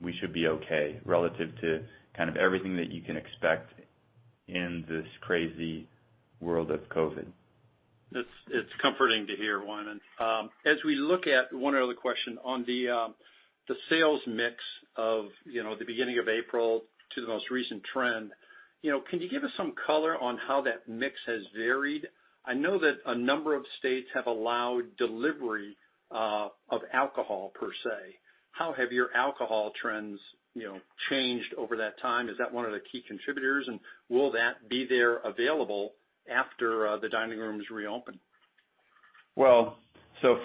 we should be okay relative to kind of everything that you can expect in this crazy world of COVID. It's comforting to hear, Wyman. One other question on the sales mix of the beginning of April to the most recent trend. Can you give us some color on how that mix has varied? I know that a number of states have allowed delivery of alcohol, per se. How have your alcohol trends changed over that time? Is that one of the key contributors, and will that be there available after the dining rooms reopen?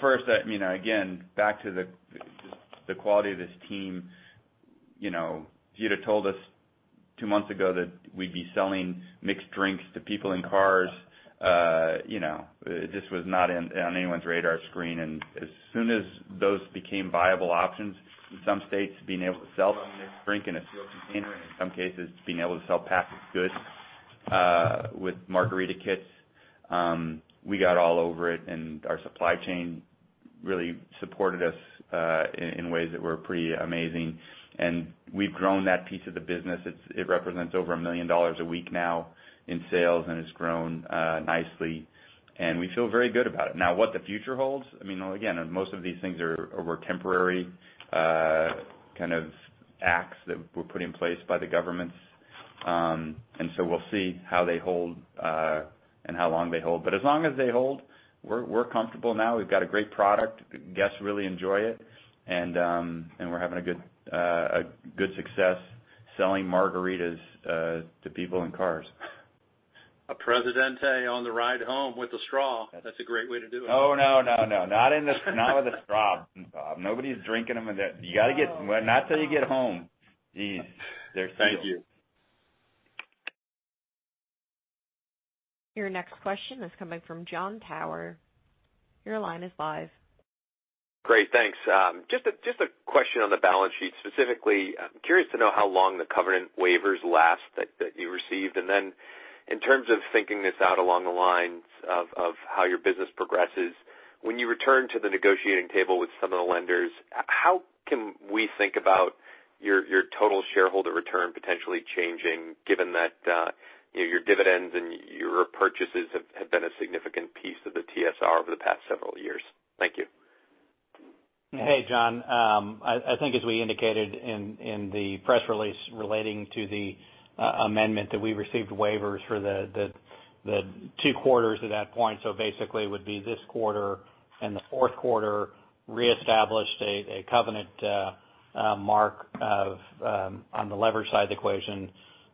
First, again, back to the quality of this team. If you'd have told us two months ago that we'd be selling mixed drinks to people in cars, this was not on anyone's radar screen. As soon as those became viable options in some states, being able to sell a mixed drink in a sealed container, in some cases, being able to sell packaged goods with margarita kits. We got all over it, and our supply chain really supported us in ways that were pretty amazing. We've grown that piece of the business. It represents over $1 million a week now in sales, and it's grown nicely. We feel very good about it. Now, what the future holds, again, most of these things were temporary acts that were put in place by the governments. We'll see how they hold and how long they hold. As long as they hold, we're comfortable now. We've got a great product. Guests really enjoy it. We're having good success selling margaritas to people in cars. A Presidente on the ride home with a straw. That's a great way to do it. Oh, no, no. Not with a straw, Bob. Nobody's drinking them with that. Not till you get home. Geez. They're sealed. Thank you. Your next question is coming from Jon Tower. Your line is live. Great. Thanks. Just a question on the balance sheet. Specifically, I'm curious to know how long the covenant waivers last that you received. In terms of thinking this out along the lines of how your business progresses, when you return to the negotiating table with some of the lenders, how can we think about your total shareholder return potentially changing, given that your dividends and your purchases have been a significant piece of the TSR over the past several years? Thank you. Hey, Jon. I think as we indicated in the press release relating to the amendment that we received waivers for the two quarters at that point. Basically it would be this quarter and the fourth quarter reestablished a covenant mark on the leverage side of the equation,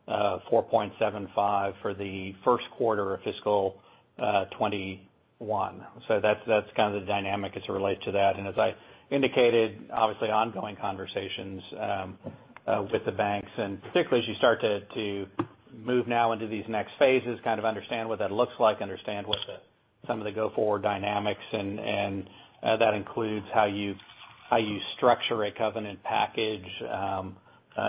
4.75 for the first quarter of fiscal 2021. That's the dynamic as it relates to that. As I indicated, obviously ongoing conversations with the banks, and particularly as you start to move now into these next phases, understand what that looks like, understand what some of the go-forward dynamics, and that includes how you structure a covenant package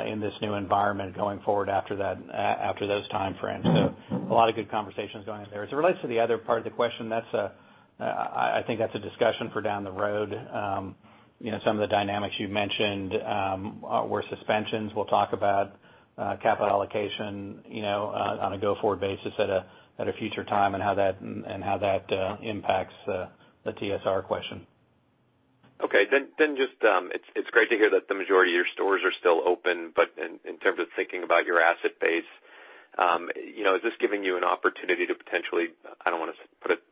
in this new environment going forward after those timeframes. A lot of good conversations going on there. As it relates to the other part of the question, I think that's a discussion for down the road. Some of the dynamics you mentioned were suspensions. We'll talk about capital allocation on a go-forward basis at a future time and how that impacts the TSR question. Okay. Just, it's great to hear that the majority of your stores are still open, but in terms of thinking about your asset base, is this giving you an opportunity to potentially, I don't want to put it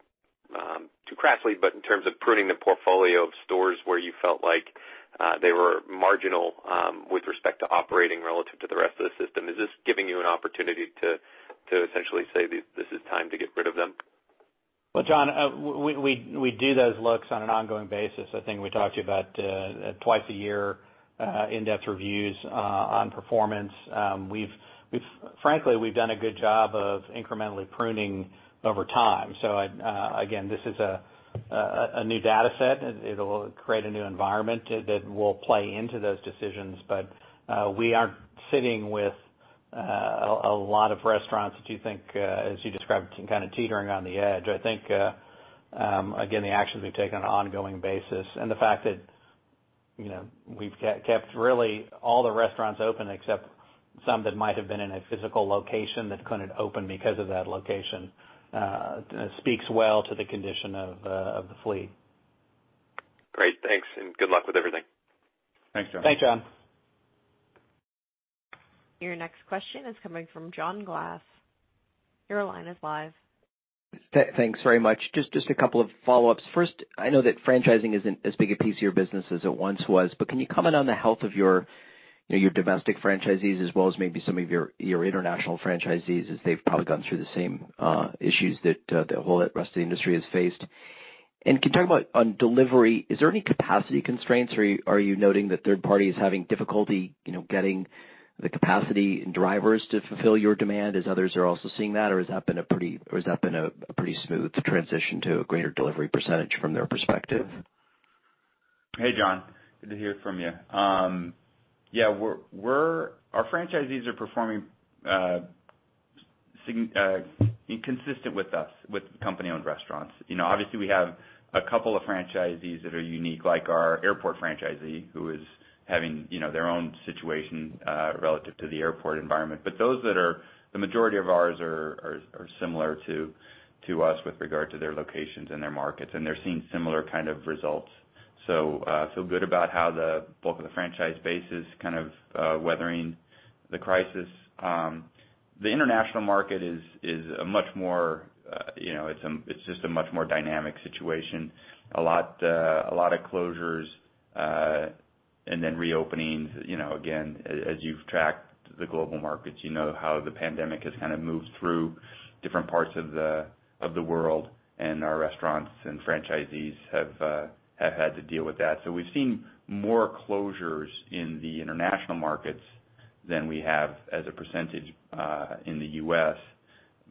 too crassly, but in terms of pruning the portfolio of stores where you felt like they were marginal with respect to operating relative to the rest of the system, is this giving you an opportunity to essentially say, "This is time to get rid of them"? Well, Jon, we do those looks on an ongoing basis. I think we talked to you about twice a year in-depth reviews on performance. Frankly, we've done a good job of incrementally pruning over time. Again, this is a new data set. It'll create a new environment that will play into those decisions. We aren't sitting with a lot of restaurants that you think, as you described, kind of teetering on the edge. I think, again, the actions we've taken on an ongoing basis, and the fact that we've kept really all the restaurants open except some that might have been in a physical location that couldn't open because of that location speaks well to the condition of the fleet. Great. Thanks, and good luck with everything. Thanks, Jon. Thanks, Jon. Your next question is coming from John Glass. Your line is live. Thanks very much. Just a couple of follow-ups. First, I know that franchising isn't as big a piece of your business as it once was, but can you comment on the health of your domestic franchisees as well as maybe some of your international franchisees as they've probably gone through the same issues that the whole rest of the industry has faced? Can you talk about on delivery, is there any capacity constraints, or are you noting that third party is having difficulty getting the capacity and drivers to fulfill your demand as others are also seeing that, or has that been a pretty smooth transition to a greater delivery percentage from their perspective? Yeah, our franchisees are performing inconsistent with us, with company-owned restaurants. Obviously we have a couple of franchisees that are unique, like our airport franchisee, who is having their own situation relative to the airport environment. The majority of ours are similar to us with regard to their locations and their markets, and they're seeing similar kind of results. Feel good about how the bulk of the franchise base is kind of weathering the crisis. The international market is just a much more dynamic situation. A lot of closures and then reopenings. Again, as you've tracked the global markets, you know how the pandemic has kind of moved through different parts of the world, and our restaurants and franchisees have had to deal with that. We've seen more closures in the international markets than we have as a percentage in the U.S.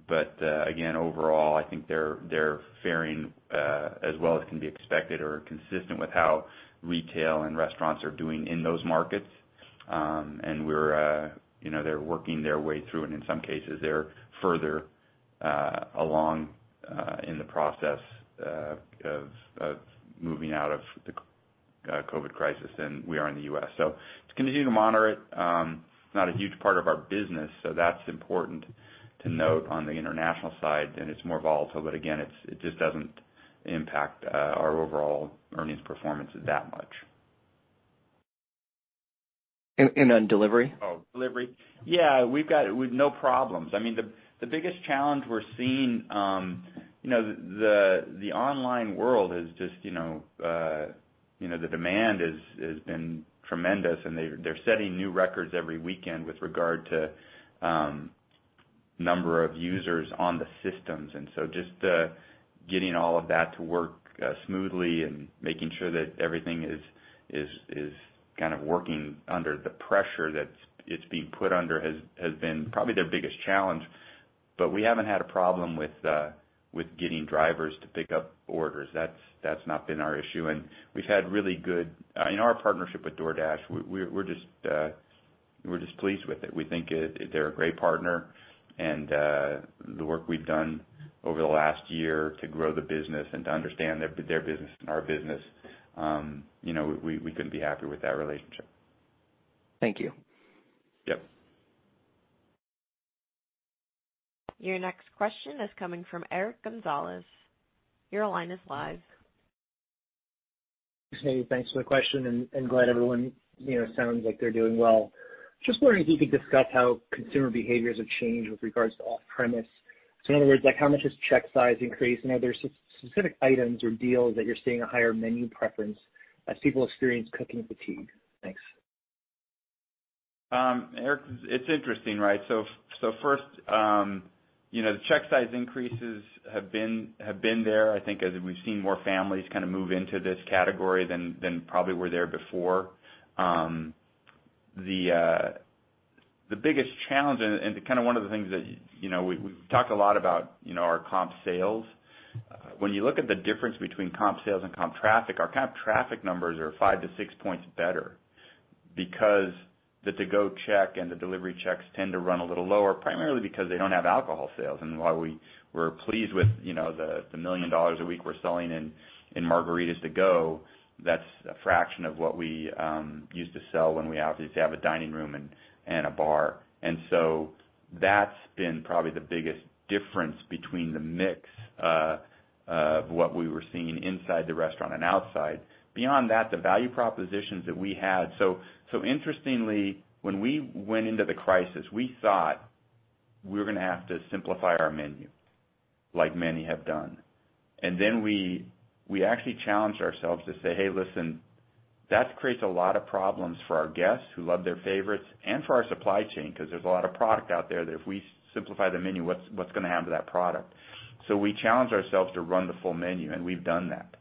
Again, overall, I think they're faring as well as can be expected or consistent with how retail and restaurants are doing in those markets. They're working their way through, and in some cases, they're further along in the process of moving out of the COVID crisis than we are in the U.S. Just continue to monitor it. It's not a huge part of our business, so that's important to note on the international side, and it's more volatile, but again, it just doesn't impact our overall earnings performances that much. On delivery? Oh, delivery. Yeah, we've no problems. The biggest challenge we're seeing, the online world is just the demand has been tremendous, and they're setting new records every weekend with regard to number of users on the systems. Just getting all of that to work smoothly and making sure that everything is kind of working under the pressure that it's being put under has been probably their biggest challenge. We haven't had a problem with getting drivers to pick up orders. That's not been our issue. We've had really good In our partnership with DoorDash, we're just pleased with it. We think they're a great partner, and the work we've done over the last year to grow the business and to understand their business and our business. We couldn't be happier with that relationship. Thank you. Yep. Your next question is coming from Eric Gonzalez. Your line is live. Thanks, Katie. Thanks for the question. Glad everyone sounds like they're doing well. Just wondering if you could discuss how consumer behaviors have changed with regards to off-premise. In other words, how much has check size increased? Are there specific items or deals that you're seeing a higher menu preference as people experience cooking fatigue? Thanks. Eric, it's interesting, right? First, the check size increases have been there, I think, as we've seen more families kind of move into this category than probably were there before. The biggest challenge and kind of one of the things that we've talked a lot about, our comp sales. When you look at the difference between comp sales and comp traffic, our comp traffic numbers are five-six points better because the to-go check and the delivery checks tend to run a little lower, primarily because they don't have alcohol sales. While we were pleased with the $1 million a week we're selling in margaritas to go, that's a fraction of what we used to sell when we obviously have a dining room and a bar. That's been probably the biggest difference between the mix of what we were seeing inside the restaurant and outside. Beyond that, the value propositions that we had. Interestingly, when we went into the crisis, we thought we were going to have to simplify our menu, like many have done. Then we actually challenged ourselves to say, "Hey, listen, that creates a lot of problems for our guests who love their favorites and for our supply chain, because there's a lot of product out there that if we simplify the menu, what's going to happen to that product?" We challenged ourselves to run the full menu, and we've done that.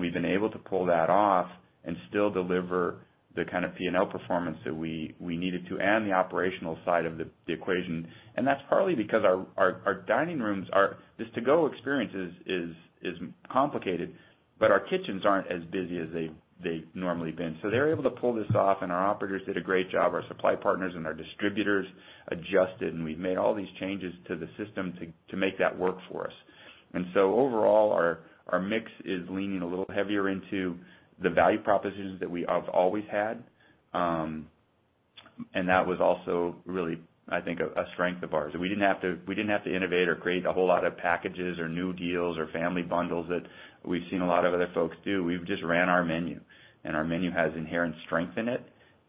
We've been able to pull that off and still deliver the kind of P&L performance that we needed to and the operational side of the equation. That's partly because our dining rooms, this to-go experience is complicated, but our kitchens aren't as busy as they've normally been. They're able to pull this off, and our operators did a great job. Our supply partners and our distributors adjusted, and we've made all these changes to the system to make that work for us. Overall, our mix is leaning a little heavier into the value propositions that we have always had. That was also really, I think, a strength of ours. We didn't have to innovate or create a whole lot of packages or new deals or family bundles that we've seen a lot of other folks do. We've just ran our menu. Our menu has inherent strength in it,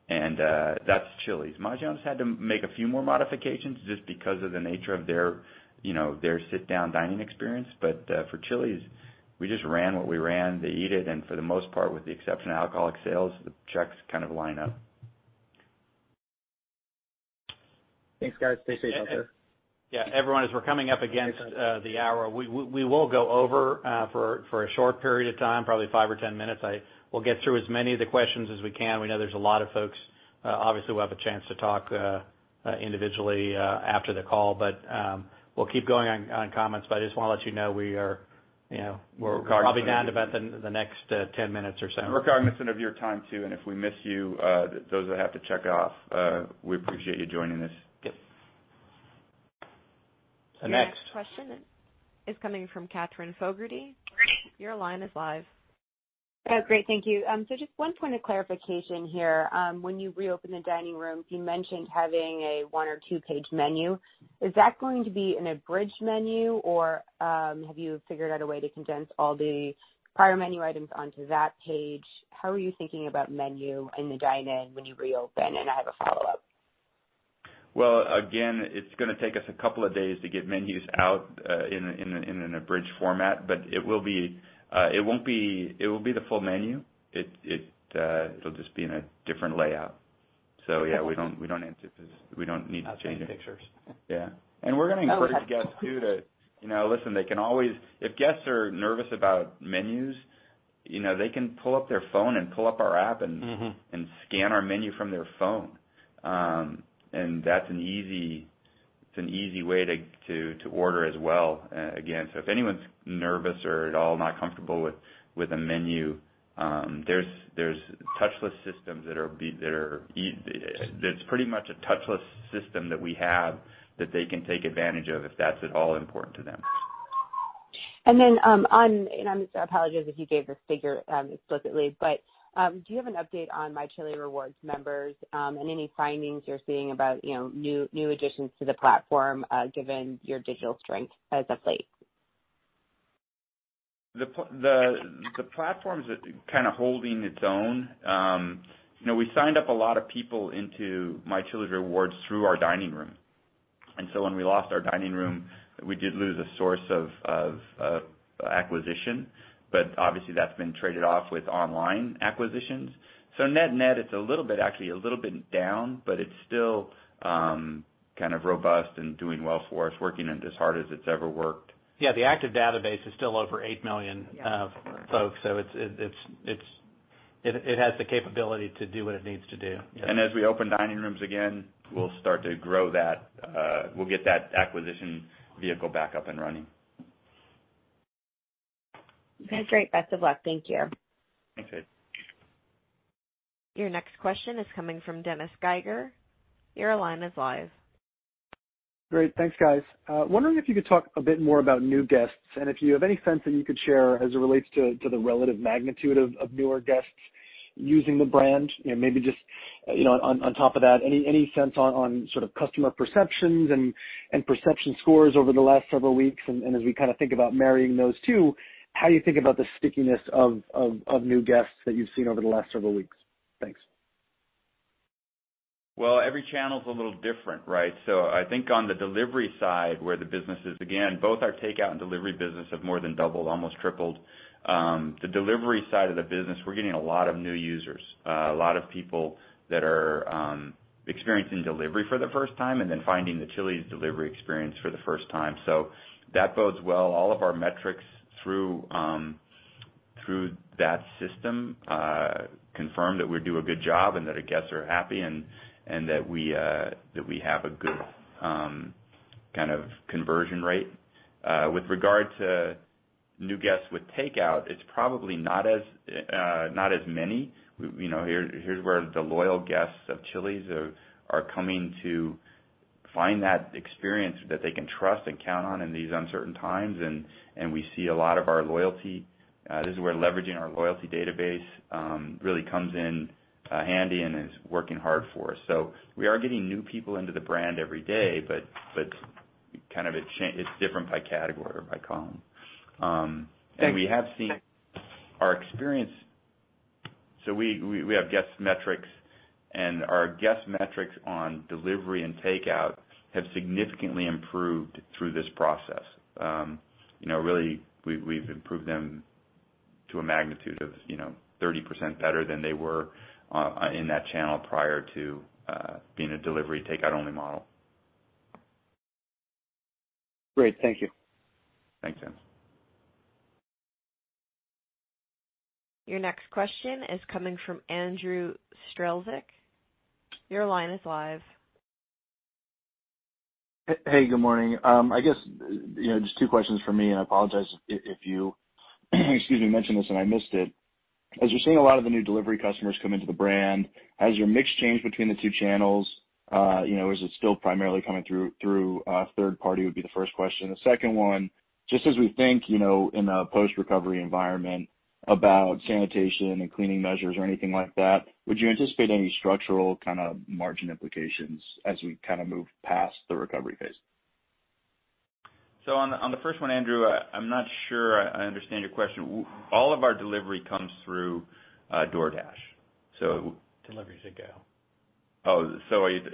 and that's Chili's. Maggiano's had to make a few more modifications just because of the nature of their sit-down dining experience. For Chili's, we just ran what we ran. They eat it, and for the most part, with the exception of alcoholic sales, the checks kind of line up. Thanks, guys. Stay safe out there. Everyone, as we're coming up against the hour. We will go over for a short period of time, probably five or 10 minutes. We'll get through as many of the questions as we can. We know there's a lot of folks, obviously, who have a chance to talk individually after the call. We'll keep going on comments, but I just want to let you know we're cognizant probably down to about the next 10 minutes or so. We're cognizant of your time, too, and if we miss you, those that have to check off, we appreciate you joining us. Yep. Next. Your next question is coming from Catherine Fogarty. Your line is live. Oh, great. Thank you. Just one point of clarification here. When you reopen the dining rooms, you mentioned having a one or two-page menu. Is that going to be an abridged menu, or have you figured out a way to condense all the prior menu items onto that page? How are you thinking about menu in the dine-in when you reopen? I have a follow-up. Well, again, it's going to take us a couple of days to get menus out in an abridged format. It will be the full menu. It'll just be in a different layout. Yeah, we don't need to change it. I'll take pictures. Yeah. We're going to encourage guests too. Listen, if guests are nervous about menus, they can pull up their phone and pull up our app and scan our menu from their phone. That's an easy way to order as well, again. If anyone's nervous or at all not comfortable with a menu, there's touchless systems. That's pretty much a touchless system that we have that they can take advantage of if that's at all important to them. I apologize if you gave this figure explicitly, but do you have an update on My Chili's Rewards members and any findings you're seeing about new additions to the platform, given your digital strength as of late? The platform's kind of holding its own. We signed up a lot of people into My Chili's Rewards through our dining room. When we lost our dining room, we did lose a source of acquisition. Obviously that's been traded off with online acquisitions. Net-net, it's a little bit, actually a little bit down, but it's still kind of robust and doing well for us, working as hard as it's ever worked. Yeah, the active database is still over 8 million of folks, so it has the capability to do what it needs to do. As we open dining rooms again, we'll start to grow that. We'll get that acquisition vehicle back up and running. Okay, great. Best of luck. Thank you. Thanks, Kate. Your next question is coming from Dennis Geiger. Your line is live. Great. Thanks, guys. Wondering if you could talk a bit more about new guests and if you have any sense that you could share as it relates to the relative magnitude of newer guests using the brand? Maybe just on top of that, any sense on sort of customer perceptions and perception scores over the last several weeks? As we kind of think about marrying those two, how you think about the stickiness of new guests that you've seen over the last several weeks? Thanks. Well, every channel's a little different, right? I think on the delivery side, where the business is, again, both our takeout and delivery business have more than doubled, almost tripled. The delivery side of the business, we're getting a lot of new users. A lot of people that are experiencing delivery for the first time, and then finding the Chili's delivery experience for the first time. That bodes well. All of our metrics through that system confirm that we do a good job, and that our guests are happy, and that we have a good kind of conversion rate. With regard to new guests with takeout, it's probably not as many. Here's where the loyal guests of Chili's are coming to find that experience that they can trust and count on in these uncertain times, and we see a lot of our loyalty. This is where leveraging our loyalty database really comes in handy and is working hard for us. We are getting new people into the brand every day, but kind of it's different by category or by column. Thanks. We have seen our experience. We have guest metrics, and our guest metrics on delivery and takeout have significantly improved through this process. Really, we've improved them to a magnitude of 30% better than they were in that channel prior to being a delivery/takeout-only model. Great. Thank you. Thanks, Dennis. Your next question is coming from Andrew Strelzik. Your line is live. Hey, good morning. I guess, just two questions from me, and I apologize if you mentioned this and I missed it. As you're seeing a lot of the new delivery customers come into the brand, has your mix changed between the two channels? Is it still primarily coming through third party, would be the first question. The second one, just as we think, in a post-recovery environment about sanitation and cleaning measures or anything like that, would you anticipate any structural kind of margin implications as we move past the recovery phase? On the first one, Andrew, I'm not sure I understand your question. All of our delivery comes through DoorDash. Delivery to go. Oh,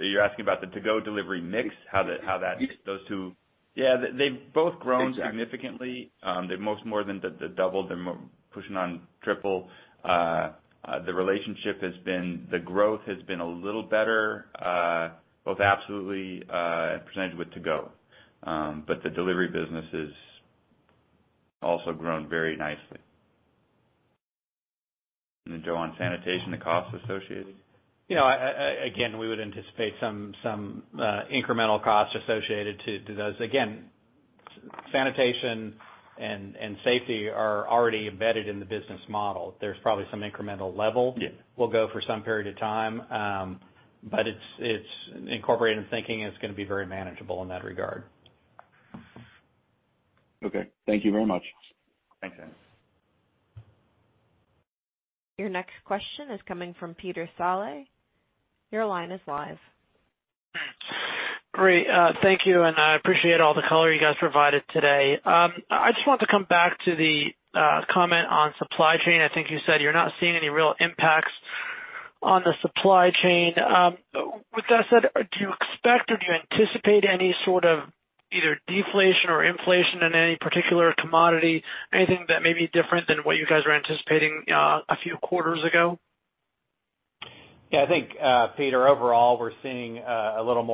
you're asking about the to-go delivery mix, how those two. Yes. Yeah, they've both grown significantly. Exactly. They've most more than doubled. They're pushing on triple. The growth has been a little better, both absolutely and percentage with to go. The delivery business has also grown very nicely. Joe, on sanitation, the cost associated? We would anticipate some incremental costs associated to those. Sanitation and safety are already embedded in the business model. Yeah will go for some period of time. It's incorporated in thinking, and it's going to be very manageable in that regard. Okay. Thank you very much. Thanks, Andrew. Your next question is coming from Peter Saleh. Your line is live. Great. Thank you. I appreciate all the color you guys provided today. I just wanted to come back to the comment on supply chain. I think you said you're not seeing any real impacts on the supply chain. With that said, do you expect or do you anticipate any sort of either deflation or inflation in any particular commodity? Anything that may be different than what you guys were anticipating a few quarters ago? Yeah, I think, Peter, overall, we're seeing a little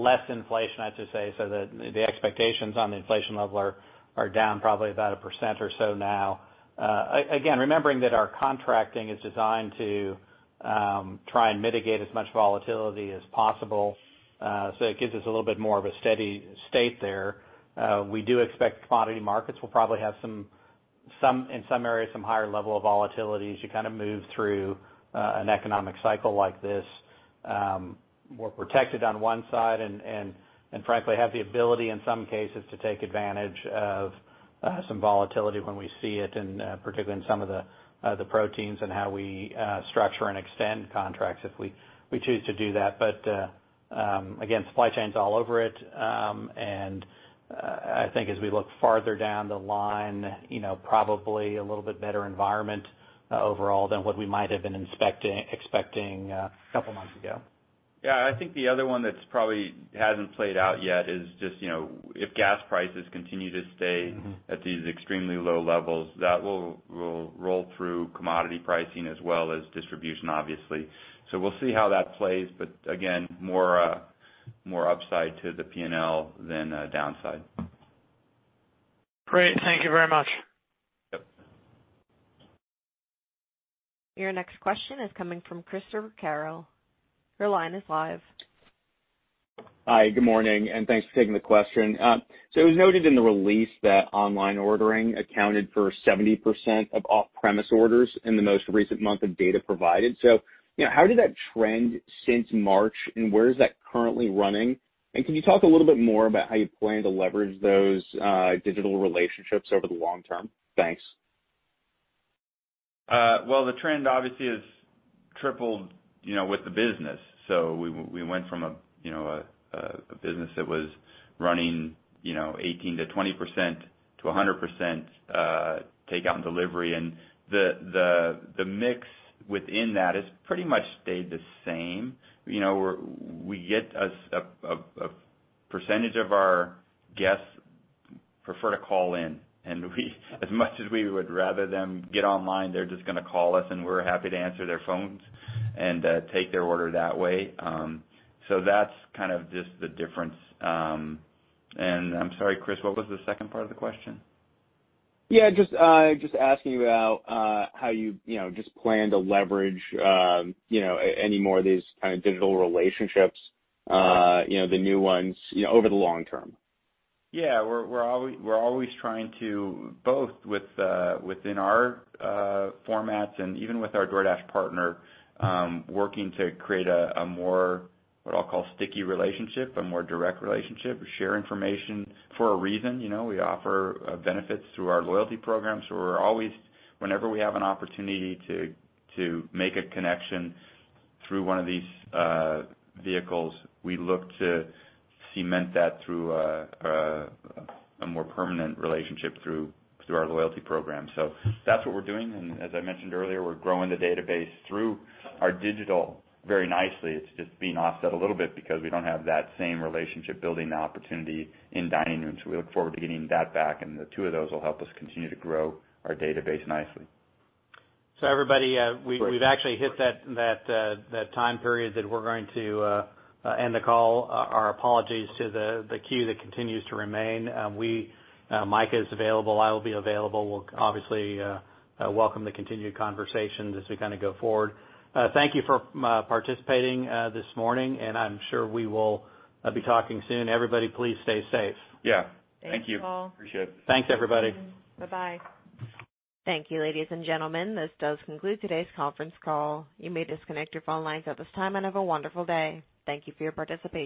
less inflation, I'd just say, so that the expectations on the inflation level are down probably about 1% or so now. Again, remembering that our contracting is designed to try and mitigate as much volatility as possible, so it gives us a little bit more of a steady state there. We do expect commodity markets will probably have some in some areas, some higher level of volatilities. You kind of move through an economic cycle like this. We're protected on one side and frankly, have the ability, in some cases, to take advantage of some volatility when we see it, and particularly in some of the proteins and how we structure and extend contracts if we choose to do that. Again, supply chain's all over it. I think as we look farther down the line, probably a little bit better environment overall than what we might have been expecting a couple of months ago. Yeah. I think the other one that probably hasn't played out yet is just if gas prices continue to stay at these extremely low levels, that will roll through commodity pricing as well as distribution, obviously. We'll see how that plays. Again, more upside to the P&L than downside. Great. Thank you very much. Yep. Your next question is coming from Chris Carril. Your line is live. Hi, good morning, and thanks for taking the question. It was noted in the release that online ordering accounted for 70% of off-premise orders in the most recent month of data provided. How did that trend since March, and where is that currently running? Can you talk a little bit more about how you plan to leverage those digital relationships over the long term? Thanks. Well, the trend obviously has tripled with the business. We went from a business that was running 18%-20%-100% takeout and delivery, and the mix within that has pretty much stayed the same. A percentage of our guests prefer to call in, and as much as we would rather them get online, they're just going to call us, and we're happy to answer their phones and take their order that way. That's kind of just the difference. I'm sorry, Chris, what was the second part of the question? Yeah, just asking about how you just plan to leverage any more of these kind of digital relationships, the new ones over the long term. Yeah. We're always trying to, both within our formats and even with our DoorDash partner, working to create a more, what I'll call sticky relationship, a more direct relationship. We share information for a reason. We offer benefits through our loyalty programs. We're always, whenever we have an opportunity to make a connection through one of these vehicles, we look to cement that through a more permanent relationship through our loyalty program. That's what we're doing, and as I mentioned earlier, we're growing the database through our digital very nicely. It's just being offset a little bit because we don't have that same relationship-building opportunity in dining rooms. We look forward to getting that back. The two of those will help us continue to grow our database nicely. Everybody, we've actually hit that time period that we're going to end the call. Our apologies to the queue that continues to remain. Mike is available. I will be available. We'll obviously welcome the continued conversations as we go forward. Thank you for participating this morning, and I'm sure we will be talking soon. Everybody, please stay safe. Yeah. Thank you. Thanks, you all. Appreciate it. Thanks, everybody. Bye-bye. Thank you, ladies and gentlemen. This does conclude today's conference call. You may disconnect your phone lines at this time, and have a wonderful day. Thank you for your participation.